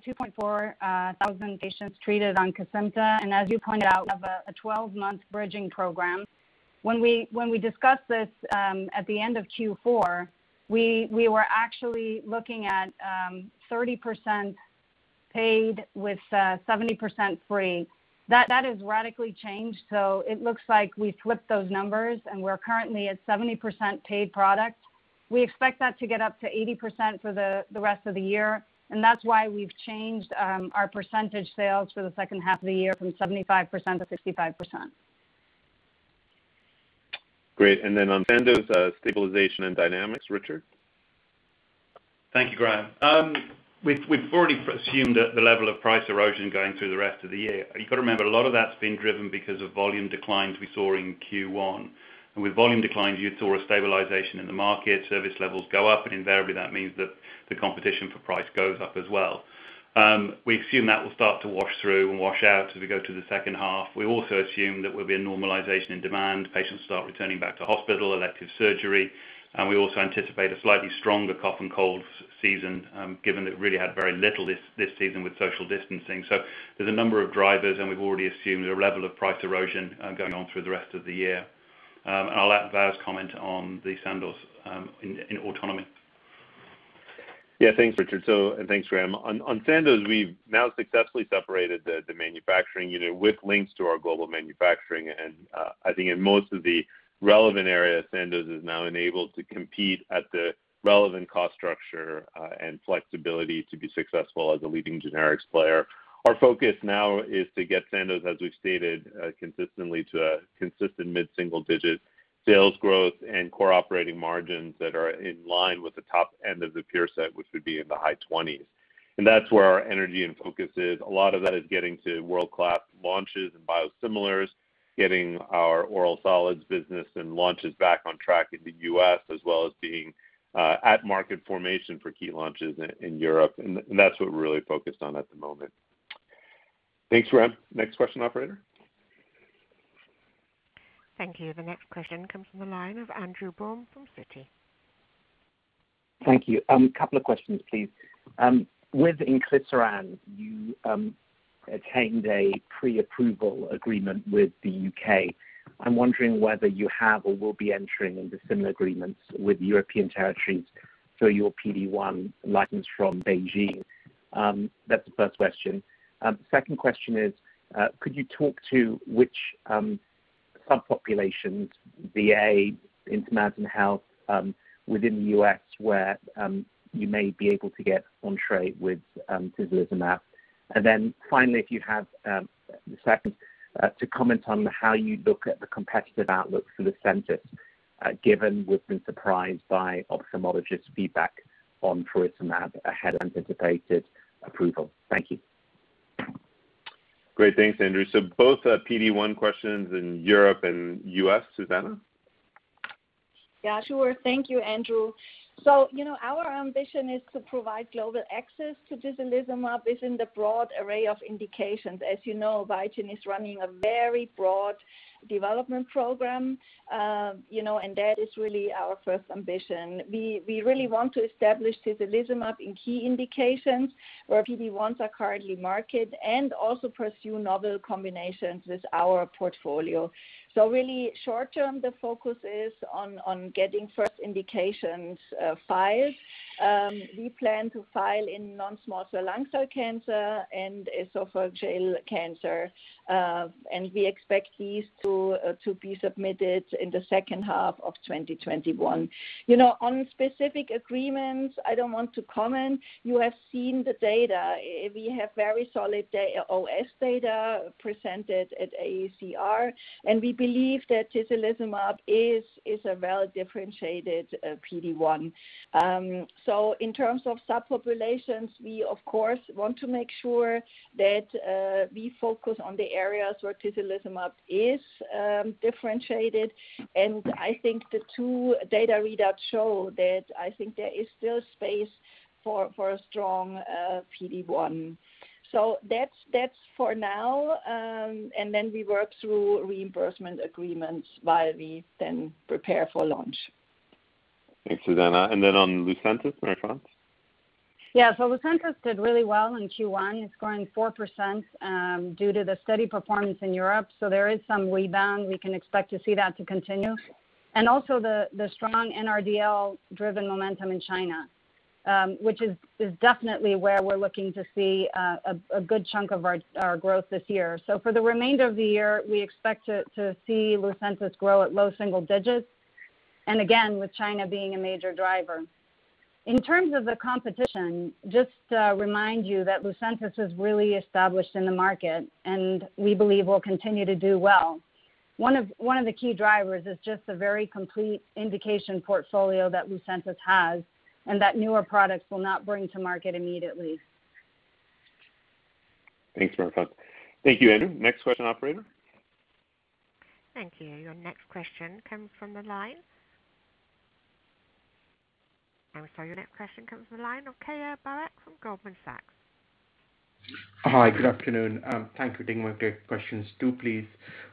2,400 patients treated on Cosentyx, and as you pointed out, we have a 12-month bridging program. When we discussed this at the end of Q4, we were actually looking at 30% paid with 70% free. That has radically changed, it looks like we flipped those numbers, and we're currently at 70% paid product. We expect that to get up to 80% for the rest of the year, that's why we've changed our percentage sales for the second half of the year from 75% to 65%. Great. Then on Sandoz stabilization and dynamics, Richard? Thank you, Graham. We've already assumed the level of price erosion going through the rest of the year. You've got to remember, a lot of that's been driven because of volume declines we saw in Q1. With volume declines, you saw a stabilization in the market, service levels go up, and invariably, that means that the competition for price goes up as well. We assume that will start to wash through and wash out as we go to the second half. We also assume there will be a normalization in demand, patients start returning back to hospital, elective surgery, and we also anticipate a slightly stronger cough and cold season, given it really had very little this season with social distancing. There's a number of drivers, and we've already assumed a level of price erosion going on through the rest of the year. I'll let Vas comment on the Sandoz in autonomy. Thanks, Richard. Thanks, Graham. On Sandoz, we've now successfully separated the manufacturing unit with links to our global manufacturing. I think in most of the relevant areas, Sandoz is now enabled to compete at the relevant cost structure and flexibility to be successful as a leading generics player. Our focus now is to get Sandoz, as we've stated consistently, to a consistent mid-single-digit sales growth and core operating margins that are in line with the top end of the peer set, which would be in the high 20s. That's where our energy and focus is. A lot of that is getting to world-class launches and biosimilars, getting our oral solids business and launches back on track in the U.S., as well as being at market formation for key launches in Europe. That's what we're really focused on at the moment. Thanks, Graham. Next question, operator. Thank you. The next question comes from the line of Andrew Baum from Citi. Thank you. Couple of questions, please. With inclisiran, you attained a pre-approval agreement with the U.K. I'm wondering whether you have or will be entering into similar agreements with European territories for your PD-1 license from BeiGene. That's the first question. Second question is, could you talk to which subpopulations, VA, Intermountain Health, within the U.S. where you may be able to get on tray with tislelizumab? Finally, if you have a second to comment on how you look at the competitive outlook for Lucentis, given we've been surprised by ophthalmologists' feedback on faricimab ahead of anticipated approval. Thank you. Great. Thanks, Andrew. Both PD-1 questions in Europe and U.S., Susanne? Yeah, sure. Thank you, Andrew. Our ambition is to provide global access to tislelizumab within the broad array of indications. As you know, BeiGene is running a very broad development program, and that is really our first ambition. We really want to establish tislelizumab in key indications where PD-1s are currently market and also pursue novel combinations with our portfolio. Really short-term, the focus is on getting first indications filed. We plan to file in non-small cell lung cancer and esophageal cancer. We expect these to be submitted in the second half of 2021. On specific agreements, I don't want to comment. You have seen the data. We have very solid OS data presented at AACR, and we believe that tislelizumab is a well-differentiated PD-1. In terms of subpopulations, we of course want to make sure that we focus on the areas where tislelizumab is differentiated. I think the two data readouts show that I think there is still space for a strong PD-1. That's for now, and then we work through reimbursement agreements while we then prepare for launch. Thanks, Susanne. On Lucentis, Marie-France? Yeah. Lucentis did really well in Q1, scoring 4% due to the steady performance in Europe. There is some rebound. We can expect to see that to continue. Also the strong NRDL-driven momentum in China, which is definitely where we're looking to see a good chunk of our growth this year. For the remainder of the year, we expect to see Lucentis grow at low single digits, and again, with China being a major driver. In terms of the competition, just to remind you that Lucentis is really established in the market, and we believe will continue to do well. One of the key drivers is just the very complete indication portfolio that Lucentis has, and that newer products will not bring to market immediately. Thanks, Marie-France. Thank you, Andrew. Next question, operator. Thank you. Your next question comes from the line of Keyur Parekh from Goldman Sachs. Hi, good afternoon. Thank you. Taking my questions too, please.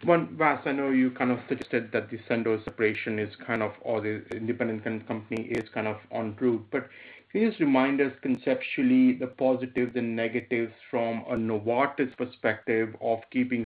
One, Vas, I know you kind of suggested that the Sandoz separation is kind of, or the independent company is kind of on route, but can you just remind us conceptually the positives and negatives from a Novartis perspective of keeping.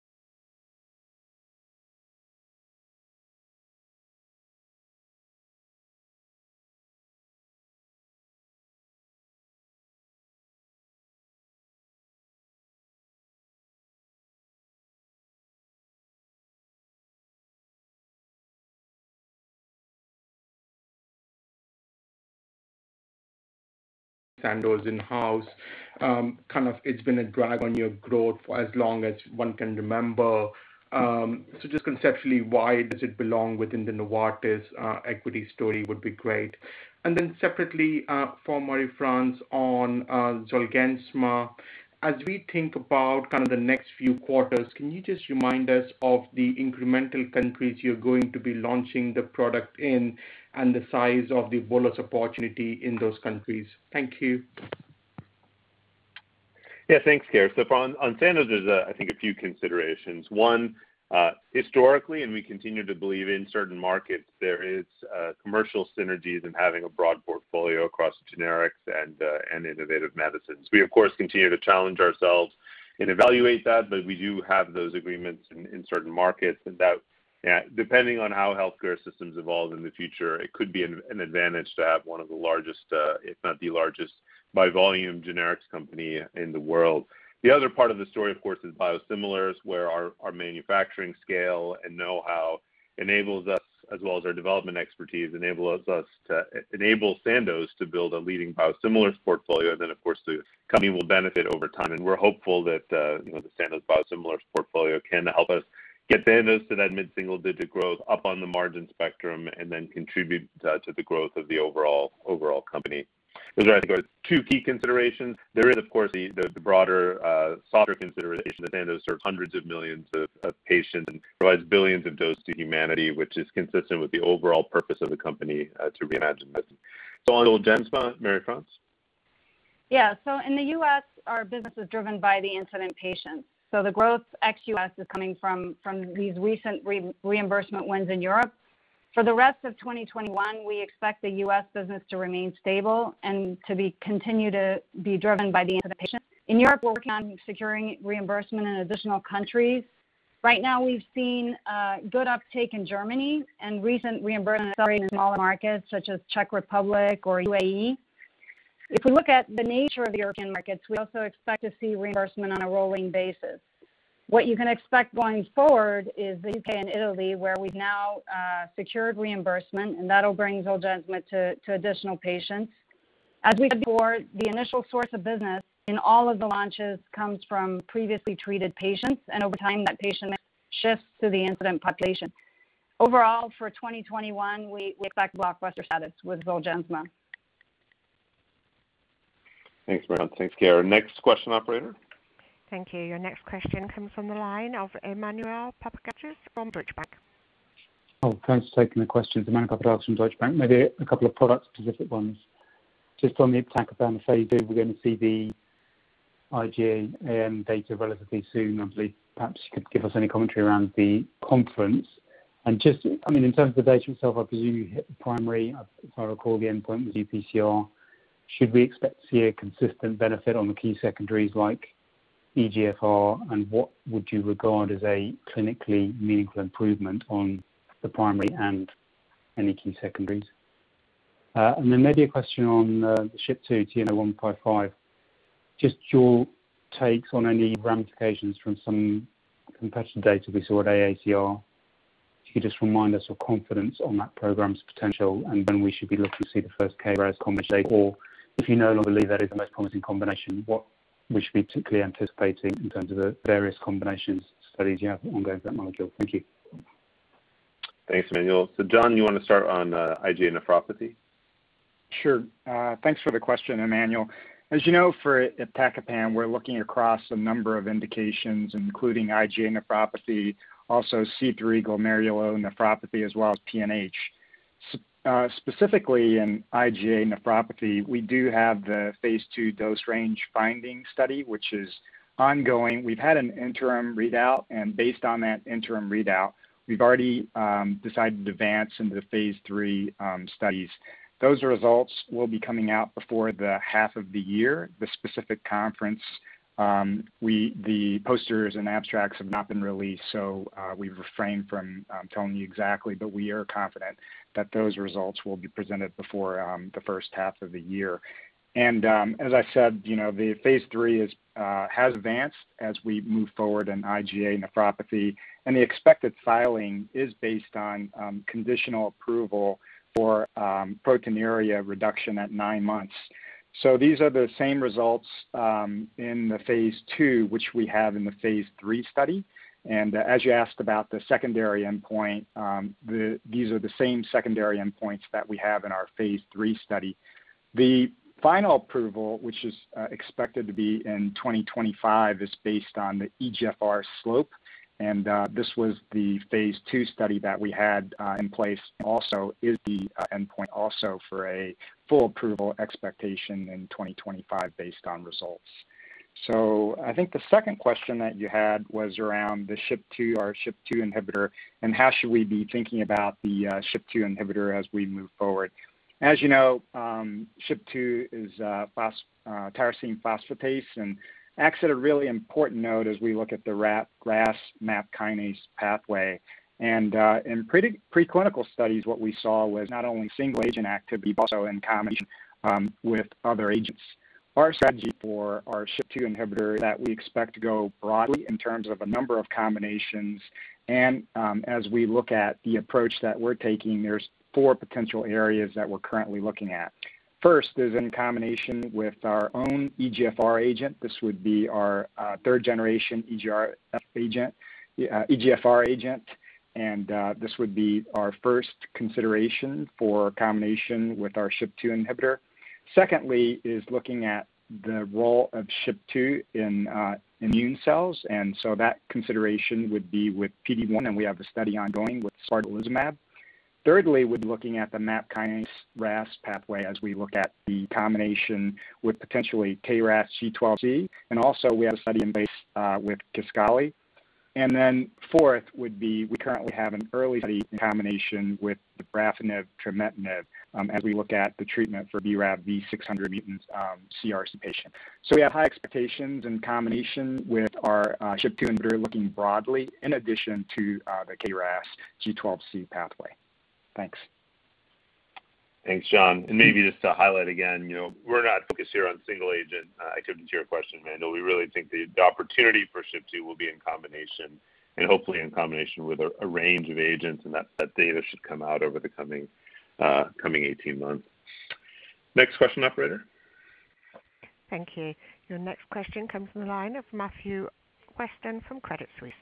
Sandoz in-house. It's been a drag on your growth for as long as one can remember. Just conceptually, why does it belong within the Novartis equity story would be great. Separately, for Marie-France on Zolgensma. As we think about the next few quarters, can you just remind us of the incremental countries you're going to be launching the product in and the size of the bolus opportunity in those countries? Thank you. Yeah, thanks, Keyur. On Sandoz, there's I think a few considerations. One, historically, and we continue to believe in certain markets, there is commercial synergies in having a broad portfolio across generics and Innovative Medicines. We, of course, continue to challenge ourselves and evaluate that, but we do have those agreements in certain markets and depending on how healthcare systems evolve in the future, it could be an advantage to have one of the largest, if not the largest by volume generics company in the world. The other part of the story, of course, is biosimilars, where our manufacturing scale and know-how enables us, as well as our development expertise, enables Sandoz to build a leading biosimilars portfolio. Of course, the company will benefit over time, and we're hopeful that the Sandoz biosimilars portfolio can help us get Sandoz to that mid-single digit growth up on the margin spectrum and then contribute to the growth of the overall company. Those are, I think, our two key considerations. There is of course the broader, softer consideration that Sandoz serves hundreds of millions of patients and provides billions of dose to humanity, which is consistent with the overall purpose of the company, to reimagine medicine. On Zolgensma, Marie-France? Yeah. In the U.S., our business is driven by the incident patients. The growth ex-U.S. is coming from these recent reimbursement wins in Europe. For the rest of 2021, we expect the U.S. business to remain stable and to continue to be driven by the incident patients. In Europe, we're working on securing reimbursement in additional countries. Right now, we've seen good uptake in Germany and recent reimbursement in smaller markets such as Czech Republic or UAE. If we look at the nature of the European markets, we also expect to see reimbursement on a rolling basis. What you can expect going forward is the U.K. and Italy, where we've now secured reimbursement, and that'll bring Zolgensma to additional patients. As we said before, the initial source of business in all of the launches comes from previously treated patients, and over time, that patient shifts to the incident population. Overall, for 2021, we expect blockbuster status with Zolgensma. Thanks, Marie-France. Thanks, Keyur. Next question, operator. Thank you. Your next question comes from the line of Emmanuel Papadakis from Deutsche Bank. Thanks for taking the question. It's Emmanuel Papadakis from Deutsche Bank. Maybe a couple of product-specific ones. On the iptacopan phase II, we're going to see the IgA data relatively soon, I believe. You could give us any commentary around the conference, in terms of the data itself, I presume you hit the primary, if I recall, the endpoint was UPCR. Should we expect to see a consistent benefit on the key secondaries like eGFR? What would you regard as a clinically meaningful improvement on the primary and any key secondaries? Maybe a question on the SHP2 TNO155, your takes on any ramifications from some competitive data we saw at AACR. Can you just remind us of confidence on that program's potential and when we should be looking to see the first KRAS combination, or if you no longer believe that is the most promising combination, what we should be particularly anticipating in terms of the various combinations studies you have ongoing for that molecule. Thank you. Thanks, Emmanuel. John, you want to start on IgA nephropathy? Sure. Thanks for the question, Emmanuel. As you know, for iptacopan, we're looking across a number of indications, including IgA nephropathy, also C3 glomerulopathy, as well as PNH. Specifically in IgA nephropathy, we do have the phase II dose range finding study, which is ongoing. We've had an interim readout, and based on that interim readout, we've already decided to advance into the phase III studies. Those results will be coming out before the half of the year. The specific conference, the posters and abstracts have not been released, so we refrain from telling you exactly, but we are confident that those results will be presented before the first half of the year. As I said, the phase III has advanced as we move forward in IgA nephropathy, and the expected filing is based on conditional approval for proteinuria reduction at nine months. These are the same results in the phase II, which we have in the phase III study. As you asked about the secondary endpoint, these are the same secondary endpoints that we have in our phase III study. The final approval, which is expected to be in 2025, is based on the eGFR slope, and this was the phase II study that we had in place also is the endpoint also for a full approval expectation in 2025 based on results. I think the second question that you had was around our SHP2 inhibitor and how should we be thinking about the SHP2 inhibitor as we move forward. As you know, SHP2 is a tyrosine phosphatase and acts at a really important node as we look at the Ras/MAPK pathway. In preclinical studies, what we saw was not only single-agent activity, but also in combination with other agents. Our strategy for our SHP2 inhibitor is that we expect to go broadly in terms of a number of combinations. As we look at the approach that we're taking, there's four potential areas that we're currently looking at. First is in combination with our own EGFR agent. This would be our third-generation EGFR agent and this would be our first consideration for combination with our SHP2 inhibitor. Secondly is looking at the role of SHP2 in immune cells, and so that consideration would be with PD1, and we have a study ongoing with spartalizumab. Thirdly, we're looking at the MAP kinase RAS pathway as we look at the combination with potentially KRAS G12C, and also we have a study in base with Kisqali. Fourth would be, we currently have an early study in combination with the BRAF/MEK inhibitor trametinib as we look at the treatment for BRAF V600 mutant CRC patient. We have high expectations in combination with our SHP2 inhibitor looking broadly in addition to the KRAS G12C pathway. Thanks. Thanks, John. Maybe just to highlight again, we're not focused here on single-agent activity to your question, Emmanuel. We really think the opportunity for SHP2 will be in combination and hopefully in combination with a range of agents and that data should come out over the coming 18 months. Next question, operator. Thank you. Your next question comes from the line of Matthew Weston from Credit Suisse.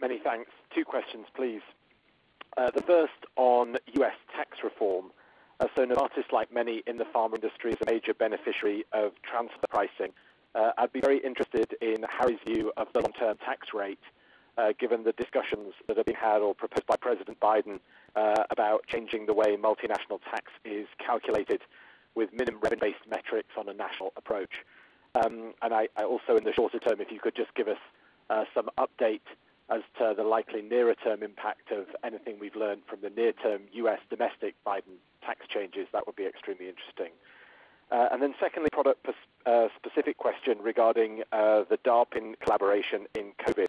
Many thanks. Two questions, please. The first on U.S. tax reform. Novartis, like many in the pharma industry, is a major beneficiary of transfer pricing. I'd be very interested in Harry Kirsch's view of the long-term tax rate, given the discussions that have been had or proposed by President Joe Biden about changing the way multinational tax is calculated with minimum revenue-based metrics on a national approach. Also in the shorter term, if you could just give us some update as to the likely nearer-term impact of anything we've learned from the near-term U.S. domestic Joe Biden tax changes, that would be extremely interesting. Secondly, product-specific question regarding the DARPin collaboration in COVID.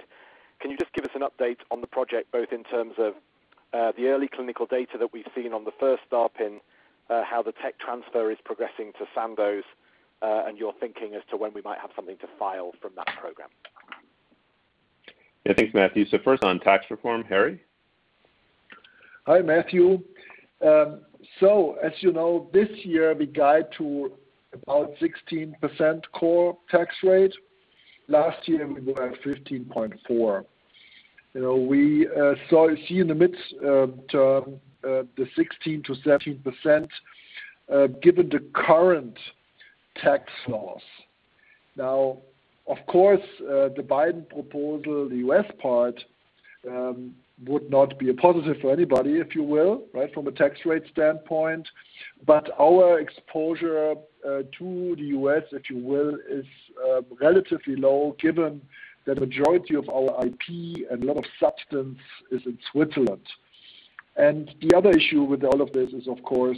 Can you just give us an update on the project, both in terms of the early clinical data that we've seen on the first DARPin, how the tech transfer is progressing to Sandoz and your thinking as to when we might have something to file from that program? Yeah. Thanks, Matthew. First on tax reform, Harry? Hi, Matthew. As you know, this year we guide to about 16% core tax rate. Last year we were at 15.4. We see in the mid-term the 16%-17% given the current tax laws. Of course, the Biden proposal, the U.S. part would not be a positive for anybody, if you will, from a tax rate standpoint. Our exposure to the U.S., if you will, is relatively low given the majority of our IP and a lot of substance is in Switzerland. The other issue with all of this is, of course,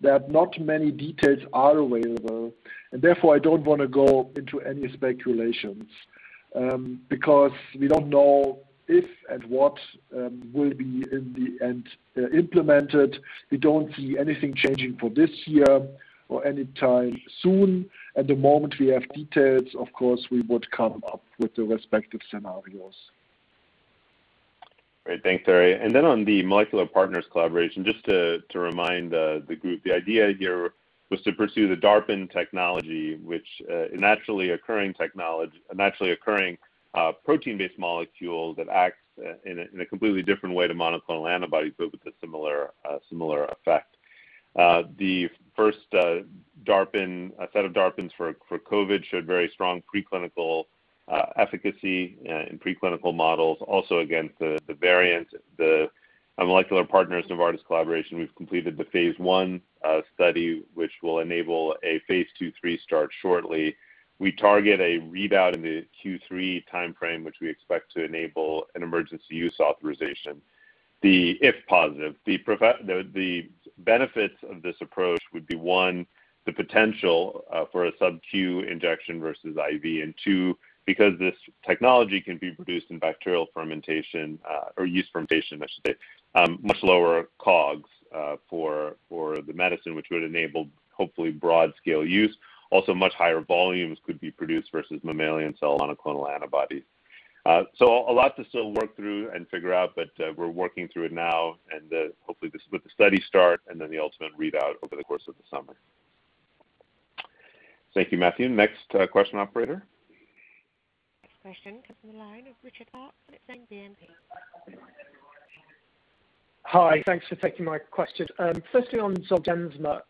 that not many details are available, and therefore, I don't want to go into any speculations because we don't know if and what will be in the end implemented. We don't see anything changing for this year or any time soon. At the moment we have details, of course, we would come up with the respective scenarios. Great. Thanks, Harry. On the Molecular Partners collaboration, just to remind the group, the idea here was to pursue the DARPin technology, which a naturally occurring protein-based molecule that acts in a completely different way to monoclonal antibodies, but with a similar effect. The first set of DARPins for COVID showed very strong preclinical efficacy in preclinical models, also against the variant. The Molecular Partners-Novartis collaboration, we've completed the phase I study, which will enable a phase II-III start shortly. We target a readout in the Q3 timeframe, which we expect to enable an emergency use authorization if positive. The benefits of this approach would be, one, the potential for a subq injection versus IV, and two, because this technology can be produced in bacterial fermentation, or yeast fermentation, I should say, much lower COGS for the medicine, which would enable hopefully broad-scale use. Much higher volumes could be produced versus mammalian cell monoclonal antibodies. A lot to still work through and figure out, but we're working through it now and hopefully with the study start and then the ultimate readout over the course of the summer. Thank you, Matthew. Next question, operator. Next question comes from the line of Richard [Vosser] from Exane BNP. Hi. Thanks for taking my question. Firstly, on Zolgensma,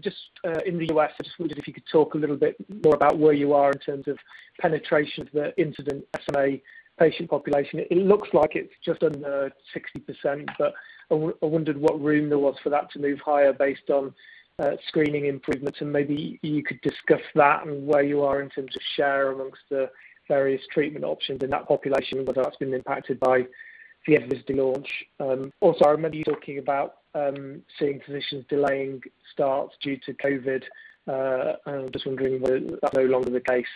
just in the U.S., I just wondered if you could talk a little bit more about where you are in terms of penetration of the incident SMA patient population. It looks like it's just under 60%. I wondered what room there was for that to move higher based on screening improvements. Maybe you could discuss that and where you are in terms of share amongst the various treatment options in that population, whether that's been impacted by the FDA launch. Also, I remember you talking about seeing physicians delaying starts due to COVID. I'm just wondering whether that's no longer the case.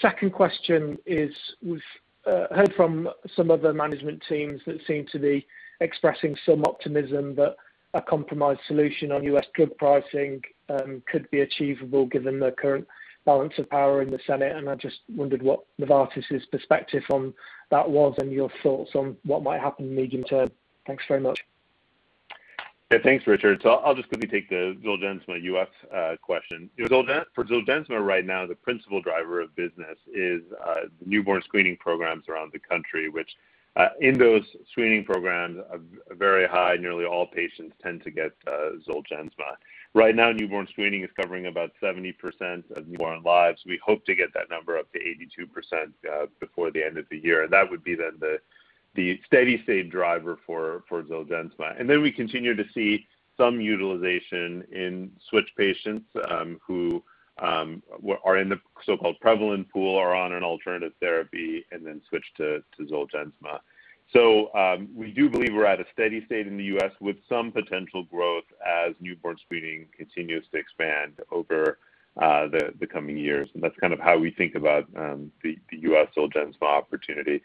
Second question is we've heard from some other management teams that seem to be expressing some optimism that a compromised solution on U.S. drug pricing could be achievable given the current balance of power in the Senate, and I just wondered what Novartis's perspective on that was and your thoughts on what might happen in the medium term. Thanks very much. Yeah. Thanks, Richard. I'll just quickly take the Zolgensma U.S. question. For Zolgensma right now, the principal driver of business is the newborn screening programs around the country which in those screening programs are very high. Nearly all patients tend to get Zolgensma. Right now, newborn screening is covering about 70% of newborn lives. We hope to get that number up to 82% before the end of the year. That would be then the steady state driver for Zolgensma. Then we continue to see some utilization in switch patients who are in the so-called prevalent pool or are on an alternative therapy and then switch to Zolgensma. We do believe we're at a steady state in the U.S. with some potential growth as newborn screening continues to expand over the coming years. That's kind of how we think about the U.S. Zolgensma opportunity.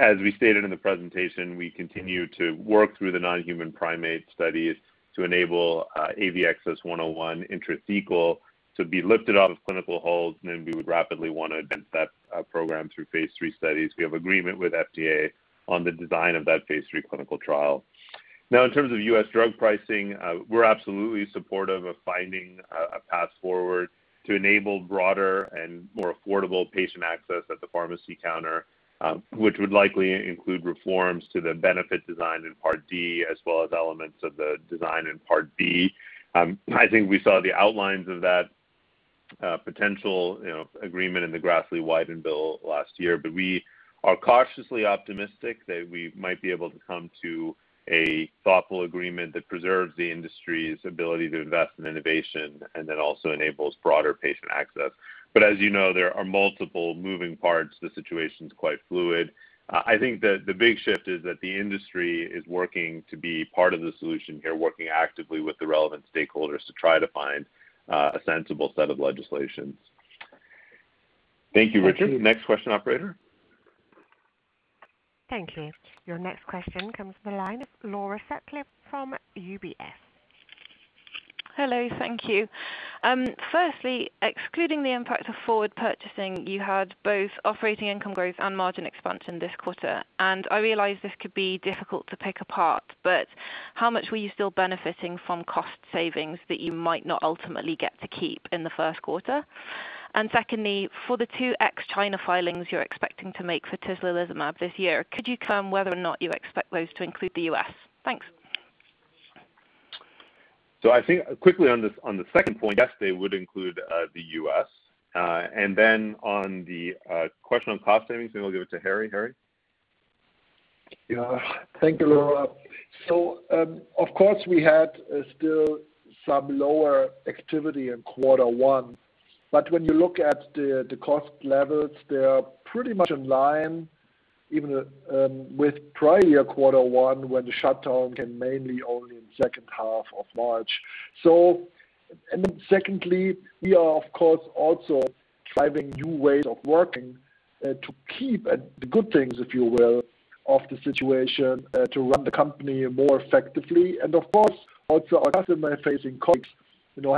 As we stated in the presentation, we continue to work through the non-human primate studies to enable AVXS-101 intrathecal to be lifted off of clinical hold, and then we would rapidly want to advance that program through phase III studies. We have agreement with FDA on the design of that phase III clinical trial. Now, in terms of U.S. drug pricing, we're absolutely supportive of finding a path forward to enable broader and more affordable patient access at the pharmacy counter, which would likely include reforms to the benefit design in Part D as well as elements of the design in Part B. I think we saw the outlines of that potential agreement in the Grassley-Wyden bill last year. We are cautiously optimistic that we might be able to come to a thoughtful agreement that preserves the industry's ability to invest in innovation, also enables broader patient access. As you know, there are multiple moving parts. The situation's quite fluid. I think that the big shift is that the industry is working to be part of the solution here, working actively with the relevant stakeholders to try to find a sensible set of legislations. Thank you, Richard. Thank you. Next question, operator. Thank you. Your next question comes from the line of Laura Sutcliffe from UBS. Hello. Thank you. Firstly, excluding the impact of forward purchasing, you had both operating income growth and margin expansion this quarter. I realize this could be difficult to pick apart, but how much were you still benefiting from cost savings that you might not ultimately get to keep in the first quarter? Secondly, for the two ex China filings you're expecting to make for tislelizumab this year, could you comment whether or not you expect those to include the U.S.? Thanks. I think quickly on the second point, yes, they would include the U.S. On the question on cost savings, maybe I'll give it to Harry. Harry? Yeah. Thank you, Laura. Of course we had still some lower activity in quarter one, but when you look at the cost levels, they are pretty much in line even with prior quarter one when the shutdown came mainly only in second half of March. Then secondly, we are of course also driving new ways of working to keep the good things, if you will, of the situation to run the company more effectively. Of course, also our customer-facing colleagues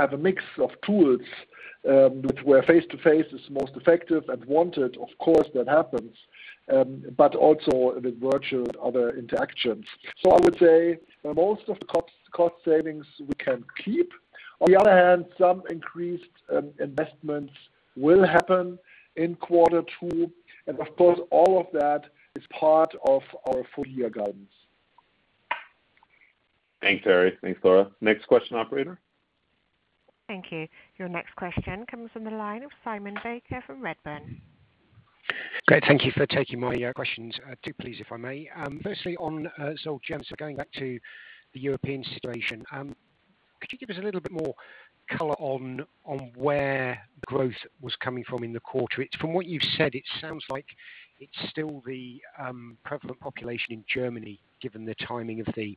have a mix of tools, which where face-to-face is most effective and wanted. Of course that happens. Also with virtual and other interactions. I would say most of the cost savings we can keep. On the other hand, some increased investments will happen in quarter two, and of course all of that is part of our full year guidance. Thanks, Harry. Thanks, Laura. Next question, Operator. Thank you. Your next question comes from the line of Simon Baker from Redburn. Great. Thank you for taking my questions. Two please, if I may. Firstly on Zolgensma, going back to the European situation. Could you give us a little bit more color on where the growth was coming from in the quarter? From what you've said, it sounds like it's still the prevalent population in Germany, given the timing of the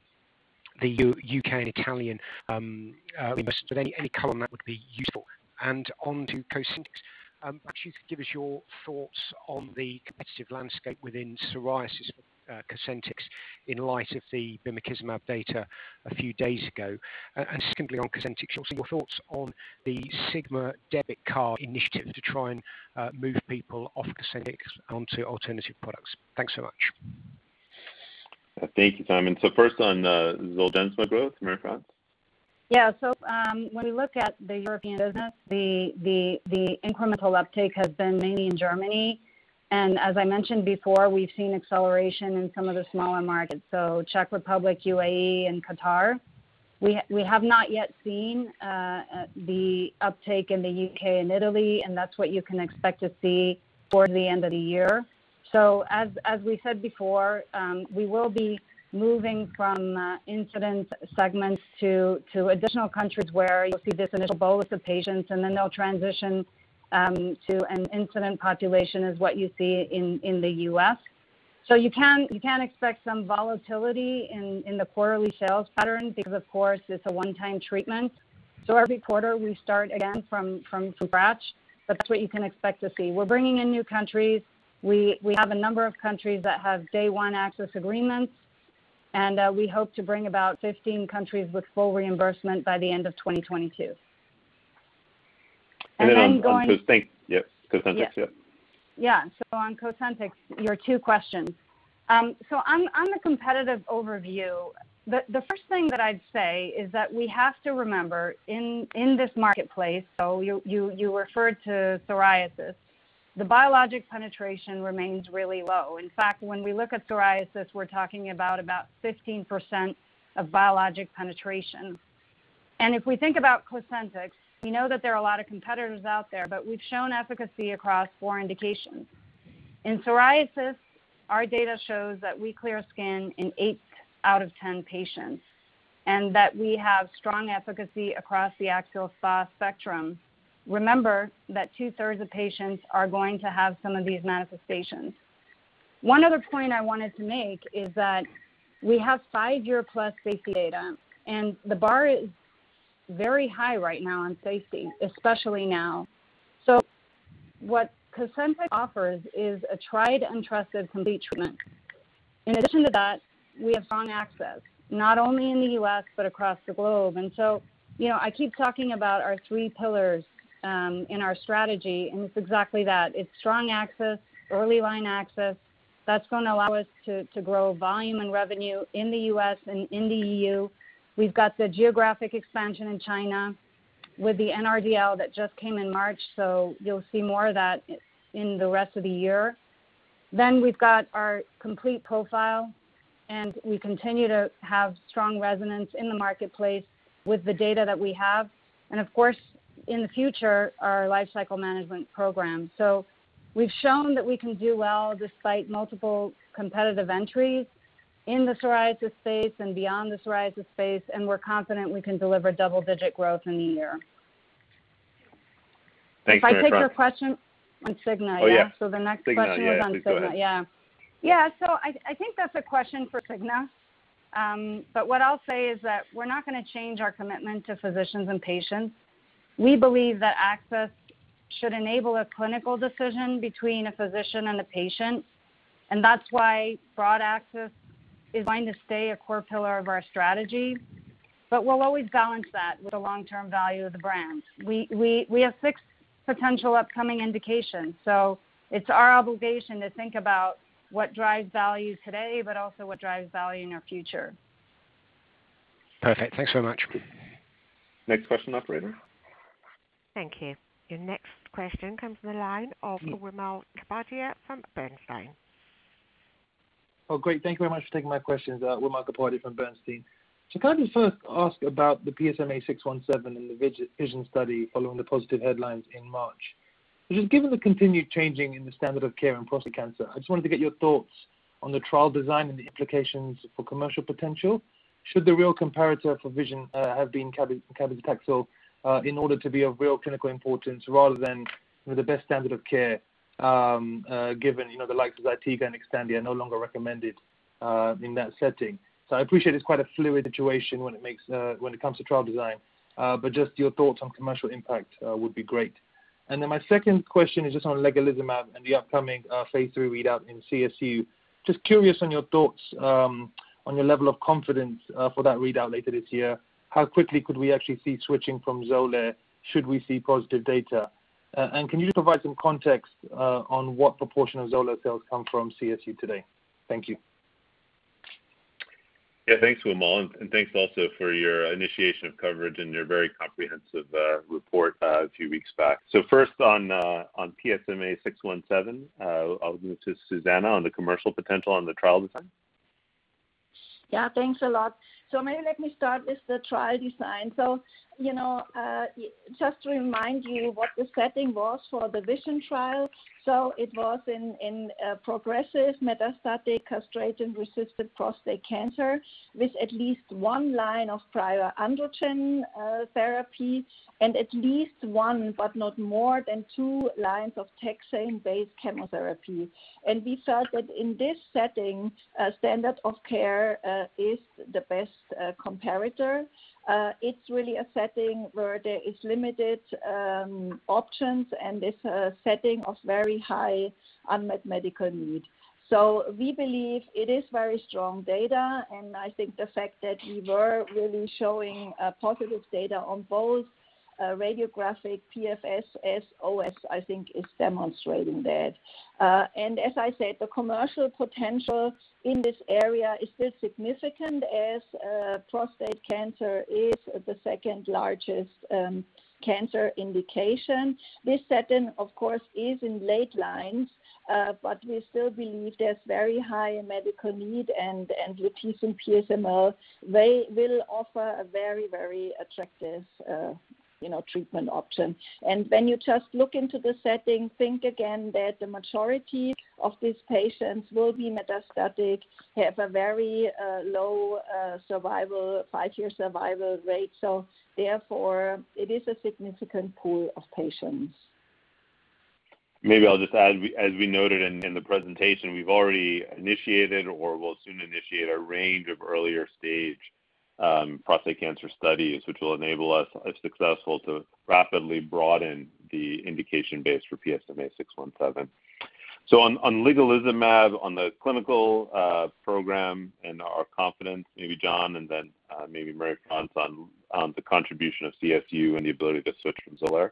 U.K. and Italian investments. Any color on that would be useful. Onto Cosentyx. Perhaps you could give us your thoughts on the competitive landscape within psoriasis for Cosentyx in light of the bimekizumab data a few days ago. Secondly on Cosentyx, your thoughts on the Cigna debit card initiative to try and move people off Cosentyx onto alternative products. Thanks so much. Thank you, Simon. First on Zolgensma growth, Marie-France? Yeah. When we look at the European business, the incremental uptake has been mainly in Germany. As I mentioned before, we've seen acceleration in some of the smaller markets. Czech Republic, UAE and Qatar. We have not yet seen the uptake in the U.K. and Italy, and that's what you can expect to see towards the end of the year. As we said before, we will be moving from incident segments to additional countries where you'll see this initial bolus of patients, and then they'll transition to an incident population as what you see in the U.S. You can expect some volatility in the quarterly sales pattern because, of course, it's a one-time treatment. Every quarter we start again from scratch. That's what you can expect to see. We're bringing in new countries. We have a number of countries that have day one access agreements. We hope to bring about 15 countries with full reimbursement by the end of 2022. Then on Cosentyx. Yep. Yeah. Cosentyx. Yep. Yeah. On Cosentyx, your two questions. On the competitive overview, the first thing that I'd say is that we have to remember in this marketplace, you referred to psoriasis, the biologic penetration remains really low. In fact, when we look at psoriasis, we're talking about 15% of biologic penetration. If we think about Cosentyx, we know that there are a lot of competitors out there, but we've shown efficacy across four indications. In psoriasis, our data shows that we clear skin in eight out of 10 patients, and that we have strong efficacy across the axial SpA spectrum. Remember that two-thirds of patients are going to have some of these manifestations. One other point I wanted to make is that we have five-year-plus safety data, and the bar is very high right now on safety, especially now. What Cosentyx offers is a tried and trusted complete treatment. In addition to that, we have strong access, not only in the U.S. but across the globe. I keep talking about our three pillars in our strategy, and it's exactly that. It's strong access, early line access, that's going to allow us to grow volume and revenue in the U.S. and in the EU. We've got the geographic expansion in China with the NRDL that just came in March. You'll see more of that in the rest of the year. We've got our complete profile, and we continue to have strong resonance in the marketplace with the data that we have. Of course, in the future, our lifecycle management program. We've shown that we can do well despite multiple competitive entries in the psoriasis space and beyond the psoriasis space, and we're confident we can deliver double-digit growth in the year. Thanks, Marie-France. If I take your question on Cigna. Yeah. Oh, yeah. The next question. Cigna, yeah. Please go ahead. is on Cigna. Yeah. I think that's a question for Cigna. What I'll say is that we're not going to change our commitment to physicians and patients. We believe that access should enable a clinical decision between a physician and a patient, and that's why broad access is going to stay a core pillar of our strategy. We'll always balance that with the long-term value of the brand. We have six potential upcoming indications, it's our obligation to think about what drives value today, but also what drives value in our future. Perfect. Thanks so much. Next question, operator. Thank you. Your next question comes from the line of Wimal Kapadia from Bernstein. Oh, great. Thank you very much for taking my questions. Wimal Kapadia from Bernstein. Can I just first ask about the PSMA-617 and the VISION study following the positive headlines in March? Just given the continued changing in the standard of care in prostate cancer, I just wanted to get your thoughts on the trial design and the implications for commercial potential. Should the real comparator for VISION have been cabozantinib in order to be of real clinical importance rather than the best standard of care given the likes of Zytiga and Xtandi are no longer recommended in that setting? I appreciate it's quite a fluid situation when it comes to trial design, but just your thoughts on commercial impact would be great. My second question is just on ligelizumab and the upcoming phase III readout in CSU. Just curious on your thoughts on your level of confidence for that readout later this year. How quickly could we actually see switching from Xolair should we see positive data? Can you provide some context on what proportion of Xolair sales come from CSU today? Thank you. Yeah. Thanks, Wimal Kapadia, and thanks also for your initiation of coverage and your very comprehensive report a few weeks back. First on PSMA-617, I'll move to Susanne Schaffert on the commercial potential on the trial design. Yeah, thanks a lot. Maybe let me start with the trial design. Just to remind you what the setting was for the VISION trial. It was in progressive metastatic castration-resistant prostate cancer with at least one line of prior androgen therapy, and at least one, but not more than two lines of taxane-based chemotherapy. We felt that in this setting, standard of care is the best comparator. It's really a setting where there is limited options and it's a setting of very high unmet medical need. We believe it is very strong data, and I think the fact that we were really showing positive data on both radiographic PFS, OS, I think is demonstrating that. As I said, the commercial potential in this area is still significant as prostate cancer is the second largest cancer indication. This setting, of course, is in late lines, but we still believe there's very high medical need and with PSMA, they will offer a very attractive treatment option. When you just look into the setting, think again that the majority of these patients will be metastatic, have a very low five-year survival rate. Therefore, it is a significant pool of patients. Maybe I'll just add, as we noted in the presentation, we've already initiated or will soon initiate a range of earlier-stage prostate cancer studies, which will enable us, if successful, to rapidly broaden the indication base for PSMA 617. On ligelizumab, on the clinical program and our confidence, maybe John, and then maybe Marie-France on the contribution of CSU and the ability to switch from Xolair.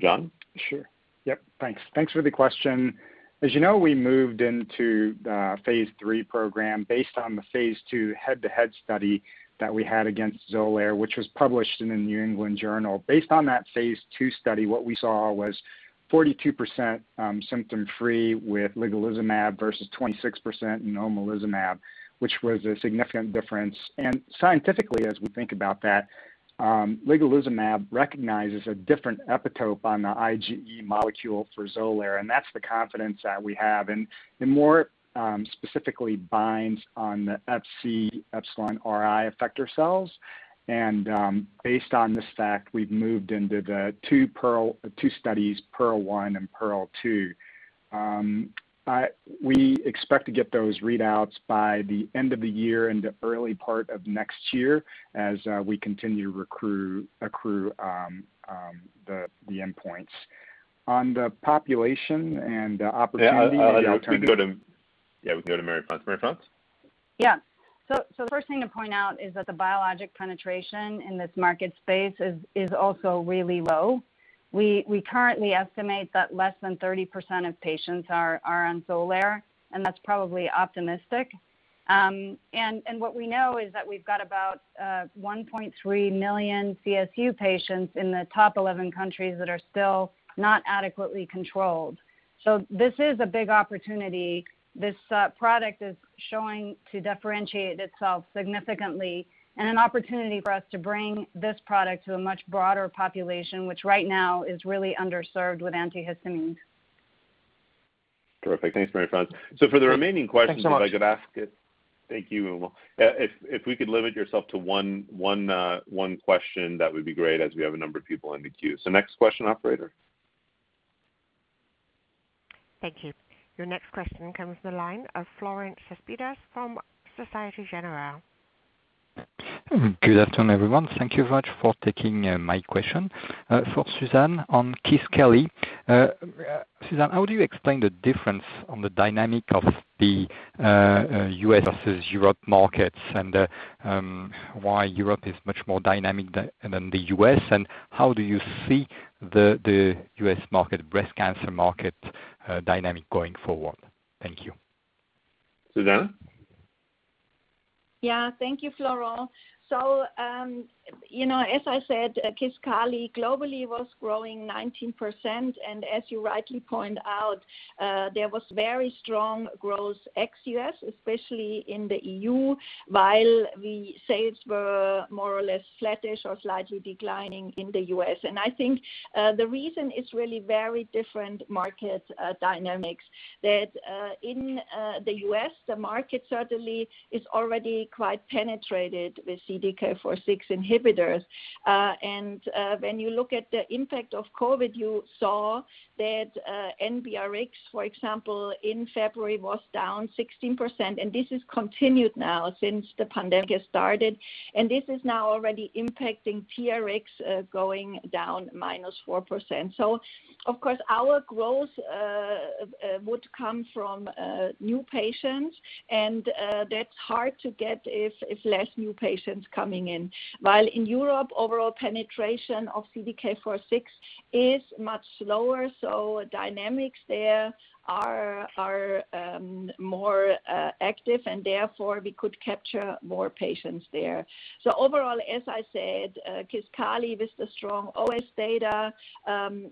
John? Sure. Yep. Thanks. Thanks for the question. As you know, we moved into the phase III program based on the phase II head-to-head study that we had against Xolair, which was published in the New England Journal of Medicine. Based on that phase II study, what we saw was 42% symptom-free with ligelizumab versus 26% omalizumab, which was a significant difference. Scientifically, as we think about that, ligelizumab recognizes a different epitope on the IgE molecule for Xolair, and that's the confidence that we have. More specifically binds on the FcεRI effector cells. Based on this fact, we've moved into the two studies, PEARL 1 and PEARL 2. We expect to get those readouts by the end of the year into early part of next year as we continue to accrue the endpoints. On the population and the opportunity. Yeah. We can go to Marie-France. Marie-France? Yeah. The first thing to point out is that the biologic penetration in this market space is also really low. We currently estimate that less than 30% of patients are on Xolair, and that's probably optimistic. What we know is that we've got about 1.3 million CSU patients in the top 11 countries that are still not adequately controlled. This is a big opportunity. This product is showing to differentiate itself significantly and an opportunity for us to bring this product to a much broader population, which right now is really underserved with antihistamines. Terrific. Thanks, Marie-France. For the remaining questions- Thanks so much. if I could ask it. Thank you. If we could limit yourself to one question, that would be great as we have a number of people in the queue. Next question, operator. Thank you. Your next question comes from the line of Florent Cespedes from Société Générale. Good afternoon, everyone. Thank you very much for taking my question. For Susanne on Kisqali. Susanne, how do you explain the difference on the dynamic of the U.S. versus Europe markets and why Europe is much more dynamic than the U.S., and how do you see the U.S. breast cancer market dynamic going forward? Thank you. Susanne? Thank you, Florent. As I said, Kisqali globally was growing 19%, and as you rightly point out, there was very strong growth ex-U.S., especially in the EU, while the sales were more or less flattish or slightly declining in the U.S. I think the reason is really very different market dynamics, that in the U.S., the market certainly is already quite penetrated with CDK4/6 inhibitors. When you look at the impact of COVID, you saw that NBRx, for example, in February, was down 16%, and this has continued now since the pandemic has started. This is now already impacting TRX going down -4%. Of course, our growth would come from new patients, and that's hard to get if less new patients coming in. While in Europe, overall penetration of CDK4/6 is much lower, dynamics there are more active, therefore we could capture more patients there. Overall, as I said, Kisqali with the strong OS data,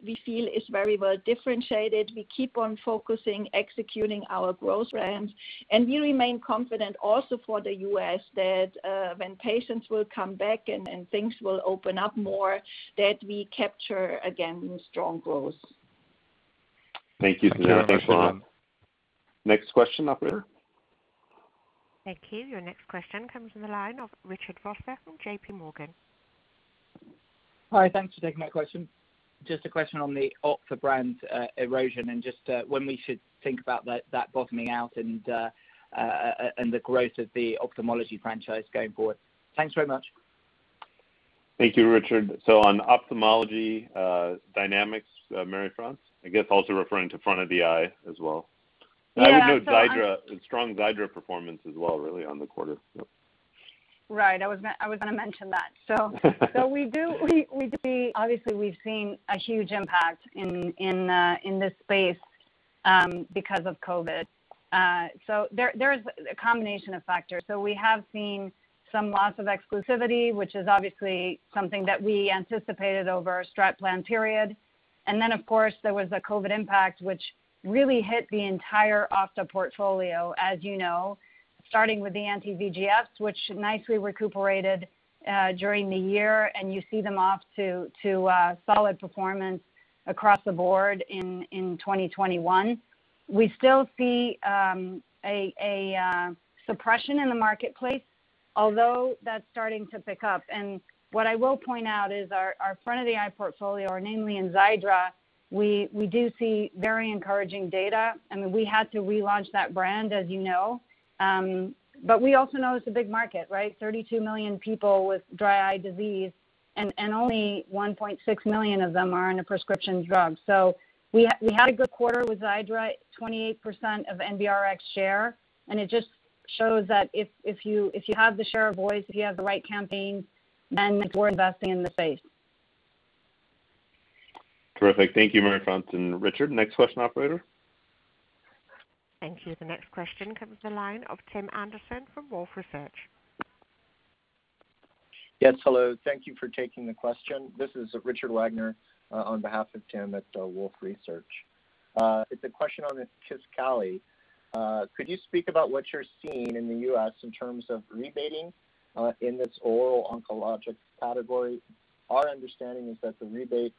we feel is very well differentiated. We keep on focusing, executing our growth plans, we remain confident also for the U.S. that when patients will come back and things will open up more, that we capture again strong growth. Thank you, Susanne. Thank you very much. Next question, operator. Thank you. Your next question comes from the line of Richard Vosser from JPMorgan. Hi. Thanks for taking my question. Just a question on the OPTHA brand erosion, and just when we should think about that bottoming out and the growth of the ophthalmology franchise going forward. Thanks very much. Thank you, Richard. On ophthalmology dynamics, Marie-France, I guess also referring to front of the eye as well. Yeah. No, so on- I would note strong Xiidra performance as well, really, on the quarter. Yep. Right. I was going to mention that. Obviously we've seen a huge impact in this space because of COVID. There is a combination of factors. We have seen some loss of exclusivity, which is obviously something that we anticipated over a strat plan period. Of course, there was a COVID impact which really hit the entire OPTHA portfolio, as you know, starting with the anti-VEGFs, which nicely recuperated during the year, and you see them off to solid performance across the board in 2021. We still see a suppression in the marketplace. Although that's starting to pick up. What I will point out is our front of the eye portfolio, namely in Xiidra, we do see very encouraging data. We had to relaunch that brand, as you know. We also know it's a big market, right? 32 million people with dry eye disease, only 1.6 million of them are on a prescription drug. We had a good quarter with Xiidra, 28% of NBRx share. It just shows that if you have the share of voice, if you have the right campaign, we're investing in the space. Terrific. Thank you, Marie-France and Richard. Next question, operator. Thank you. The next question comes from the line of Tim Anderson from Wolfe Research. Yes. Hello. Thank you for taking the question. This is Richard Wagner, on behalf of Tim at Wolfe Research. It's a question on Kisqali. Could you speak about what you're seeing in the U.S. in terms of rebating in this oral oncologic category? Our understanding is that the rebates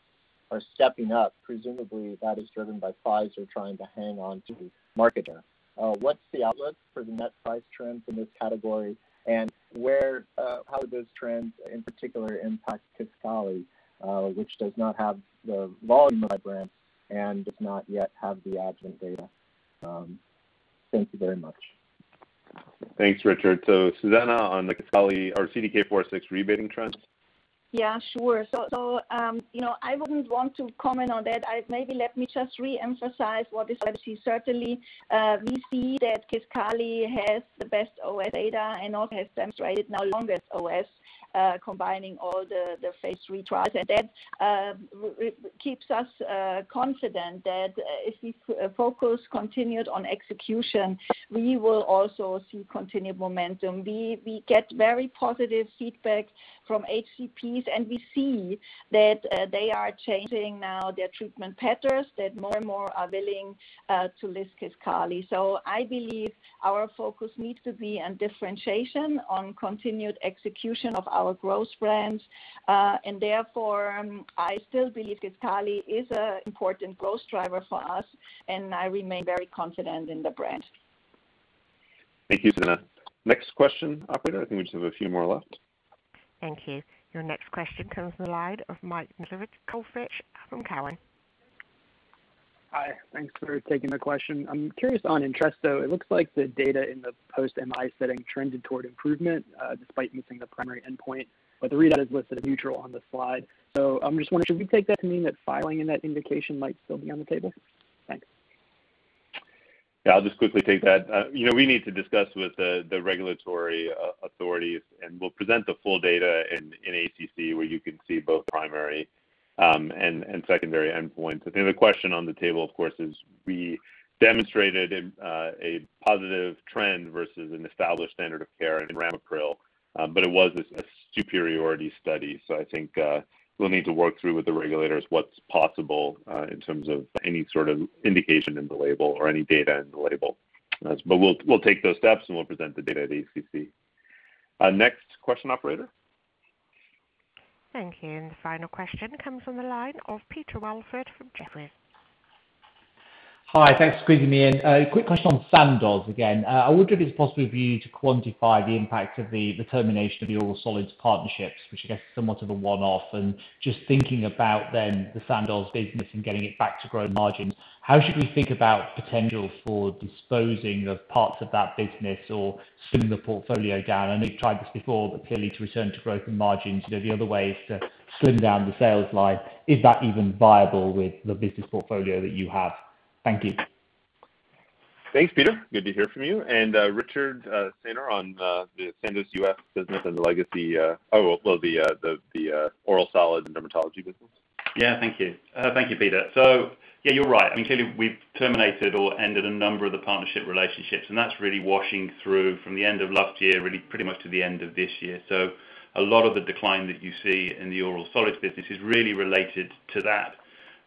are stepping up, presumably that is driven by Pfizer trying to hang on to market share. What's the outlook for the net price trends in this category, and how do those trends in particular impact Kisqali, which does not have the volume of other brands and does not yet have the adjuvant data? Thank you very much. Thanks, Richard. Susanne, on the Kisqali or CDK4/6 rebating trends. Yeah, sure. I wouldn't want to comment on that. Maybe let me just reemphasize what is certainly, we see that Kisqali has the best OS data and also has demonstrated now longest OS, combining all the phase III trials. That keeps us confident that if we focus continued on execution, we will also see continued momentum. We get very positive feedback from HCPs, and we see that they are changing now their treatment patterns, that more and more are willing to list Kisqali. I believe our focus needs to be on differentiation, on continued execution of our growth brands. Therefore, I still believe Kisqali is an important growth driver for us, and I remain very confident in the brand. Thank you, Susanne. Next question, operator. I think we just have a few more left. Thank you. Your next question comes from the line of Mike Nedelcovych from Cowen. Hi. Thanks for taking the question. I'm curious on Entresto. It looks like the data in the post-MI setting trended toward improvement, despite missing the primary endpoint, the readout is listed as neutral on the slide. I'm just wondering, should we take that to mean that filing in that indication might still be on the table? Thanks. Yeah. I'll just quickly take that. We need to discuss with the regulatory authorities. We'll present the full data in ACC where you can see both primary and secondary endpoints. I think the question on the table, of course, is we demonstrated a positive trend versus an established standard of care in ramipril. It was a superiority study. I think we'll need to work through with the regulators what's possible in terms of any sort of indication in the label or any data in the label. We'll take those steps. We'll present the data at ACC. Next question, operator. Thank you. The final question comes from the line of Peter Welford from Jefferies. Hi. Thanks for squeezing me in. A quick question on Sandoz again. I wonder if it's possible for you to quantify the impact of the termination of the oral solids partnerships, which I guess is somewhat of a one-off. Just thinking about then the Sandoz business and getting it back to growing margins. How should we think about potential for disposing of parts of that business or slim the portfolio down? I know you've tried this before, clearly to return to growth and margins, the other way is to slim down the sales line. Is that even viable with the business portfolio that you have? Thank you. Thanks, Peter. Good to hear from you. Richard Saynor on the Sandoz U.S. business and the legacy Well, the oral solids and dermatology business. Yeah. Thank you. Thank you, Peter. You're right. I mean, clearly we've terminated or ended a number of the partnership relationships, and that's really washing through from the end of last year, really pretty much to the end of this year. A lot of the decline that you see in the oral solids business is really related to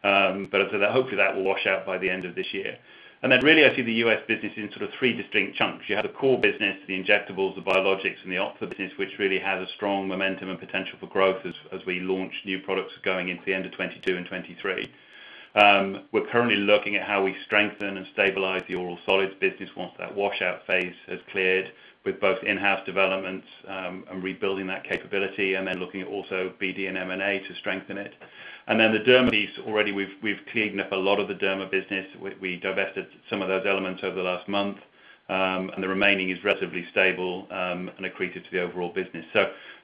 that. Hopefully, that will wash out by the end of this year. Really, I see the U.S. business in sort of three distinct chunks. You have the core business, the injectables, the biologics, and the business, which really has a strong momentum and potential for growth as we launch new products going into the end of 2022 and 2023. We're currently looking at how we strengthen and stabilize the oral solids business once that washout phase has cleared with both in-house development, and rebuilding that capability, and then looking at also BD and M&A to strengthen it. The derma piece already we've cleaned up a lot of the derma business. We divested some of those elements over the last month, and the remaining is relatively stable and accretive to the overall business.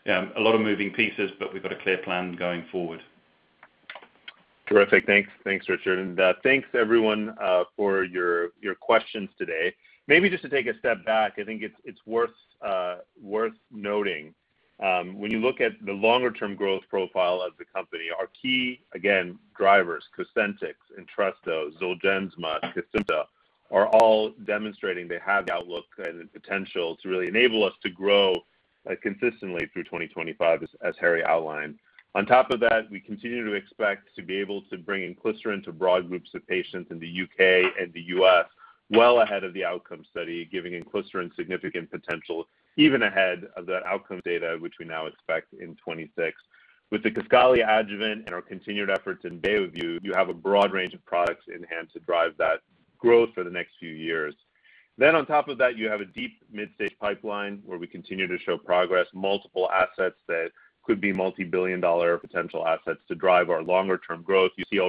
A lot of moving pieces, but we've got a clear plan going forward. Terrific. Thanks, Richard. Thanks everyone for your questions today. Maybe just to take a step back, I think it's worth noting, when you look at the longer-term growth profile of the company, our key, again, drivers, Cosentyx, Entresto, Zolgensma, Kisqali are all demonstrating they have the outlook and the potential to really enable us to grow consistently through 2025, as Harry outlined. On top of that, we continue to expect to be able to bring inclisiran to broad groups of patients in the U.K. and the U.S. well ahead of the outcome study, giving inclisiran significant potential even ahead of that outcome data, which we now expect in 2026. With the Kisqali adjuvant and our continued efforts in Dayview, you have a broad range of products in hand to drive that growth for the next few years. On top of that, you have a deep mid-stage pipeline where we continue to show progress, multiple assets that could be multi-billion dollar potential assets to drive our longer-term growth. You see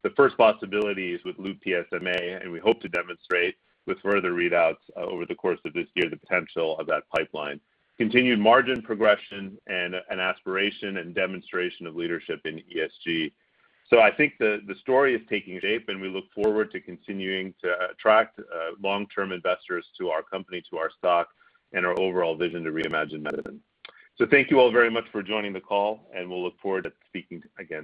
already the first possibilities with Lu-PSMA-617, and we hope to demonstrate with further readouts over the course of this year the potential of that pipeline. Continued margin progression and aspiration and demonstration of leadership in ESG. I think the story is taking shape, and we look forward to continuing to attract long-term investors to our company, to our stock, and our overall vision to reimagine medicine. Thank you all very much for joining the call, and we'll look forward to speaking again soon.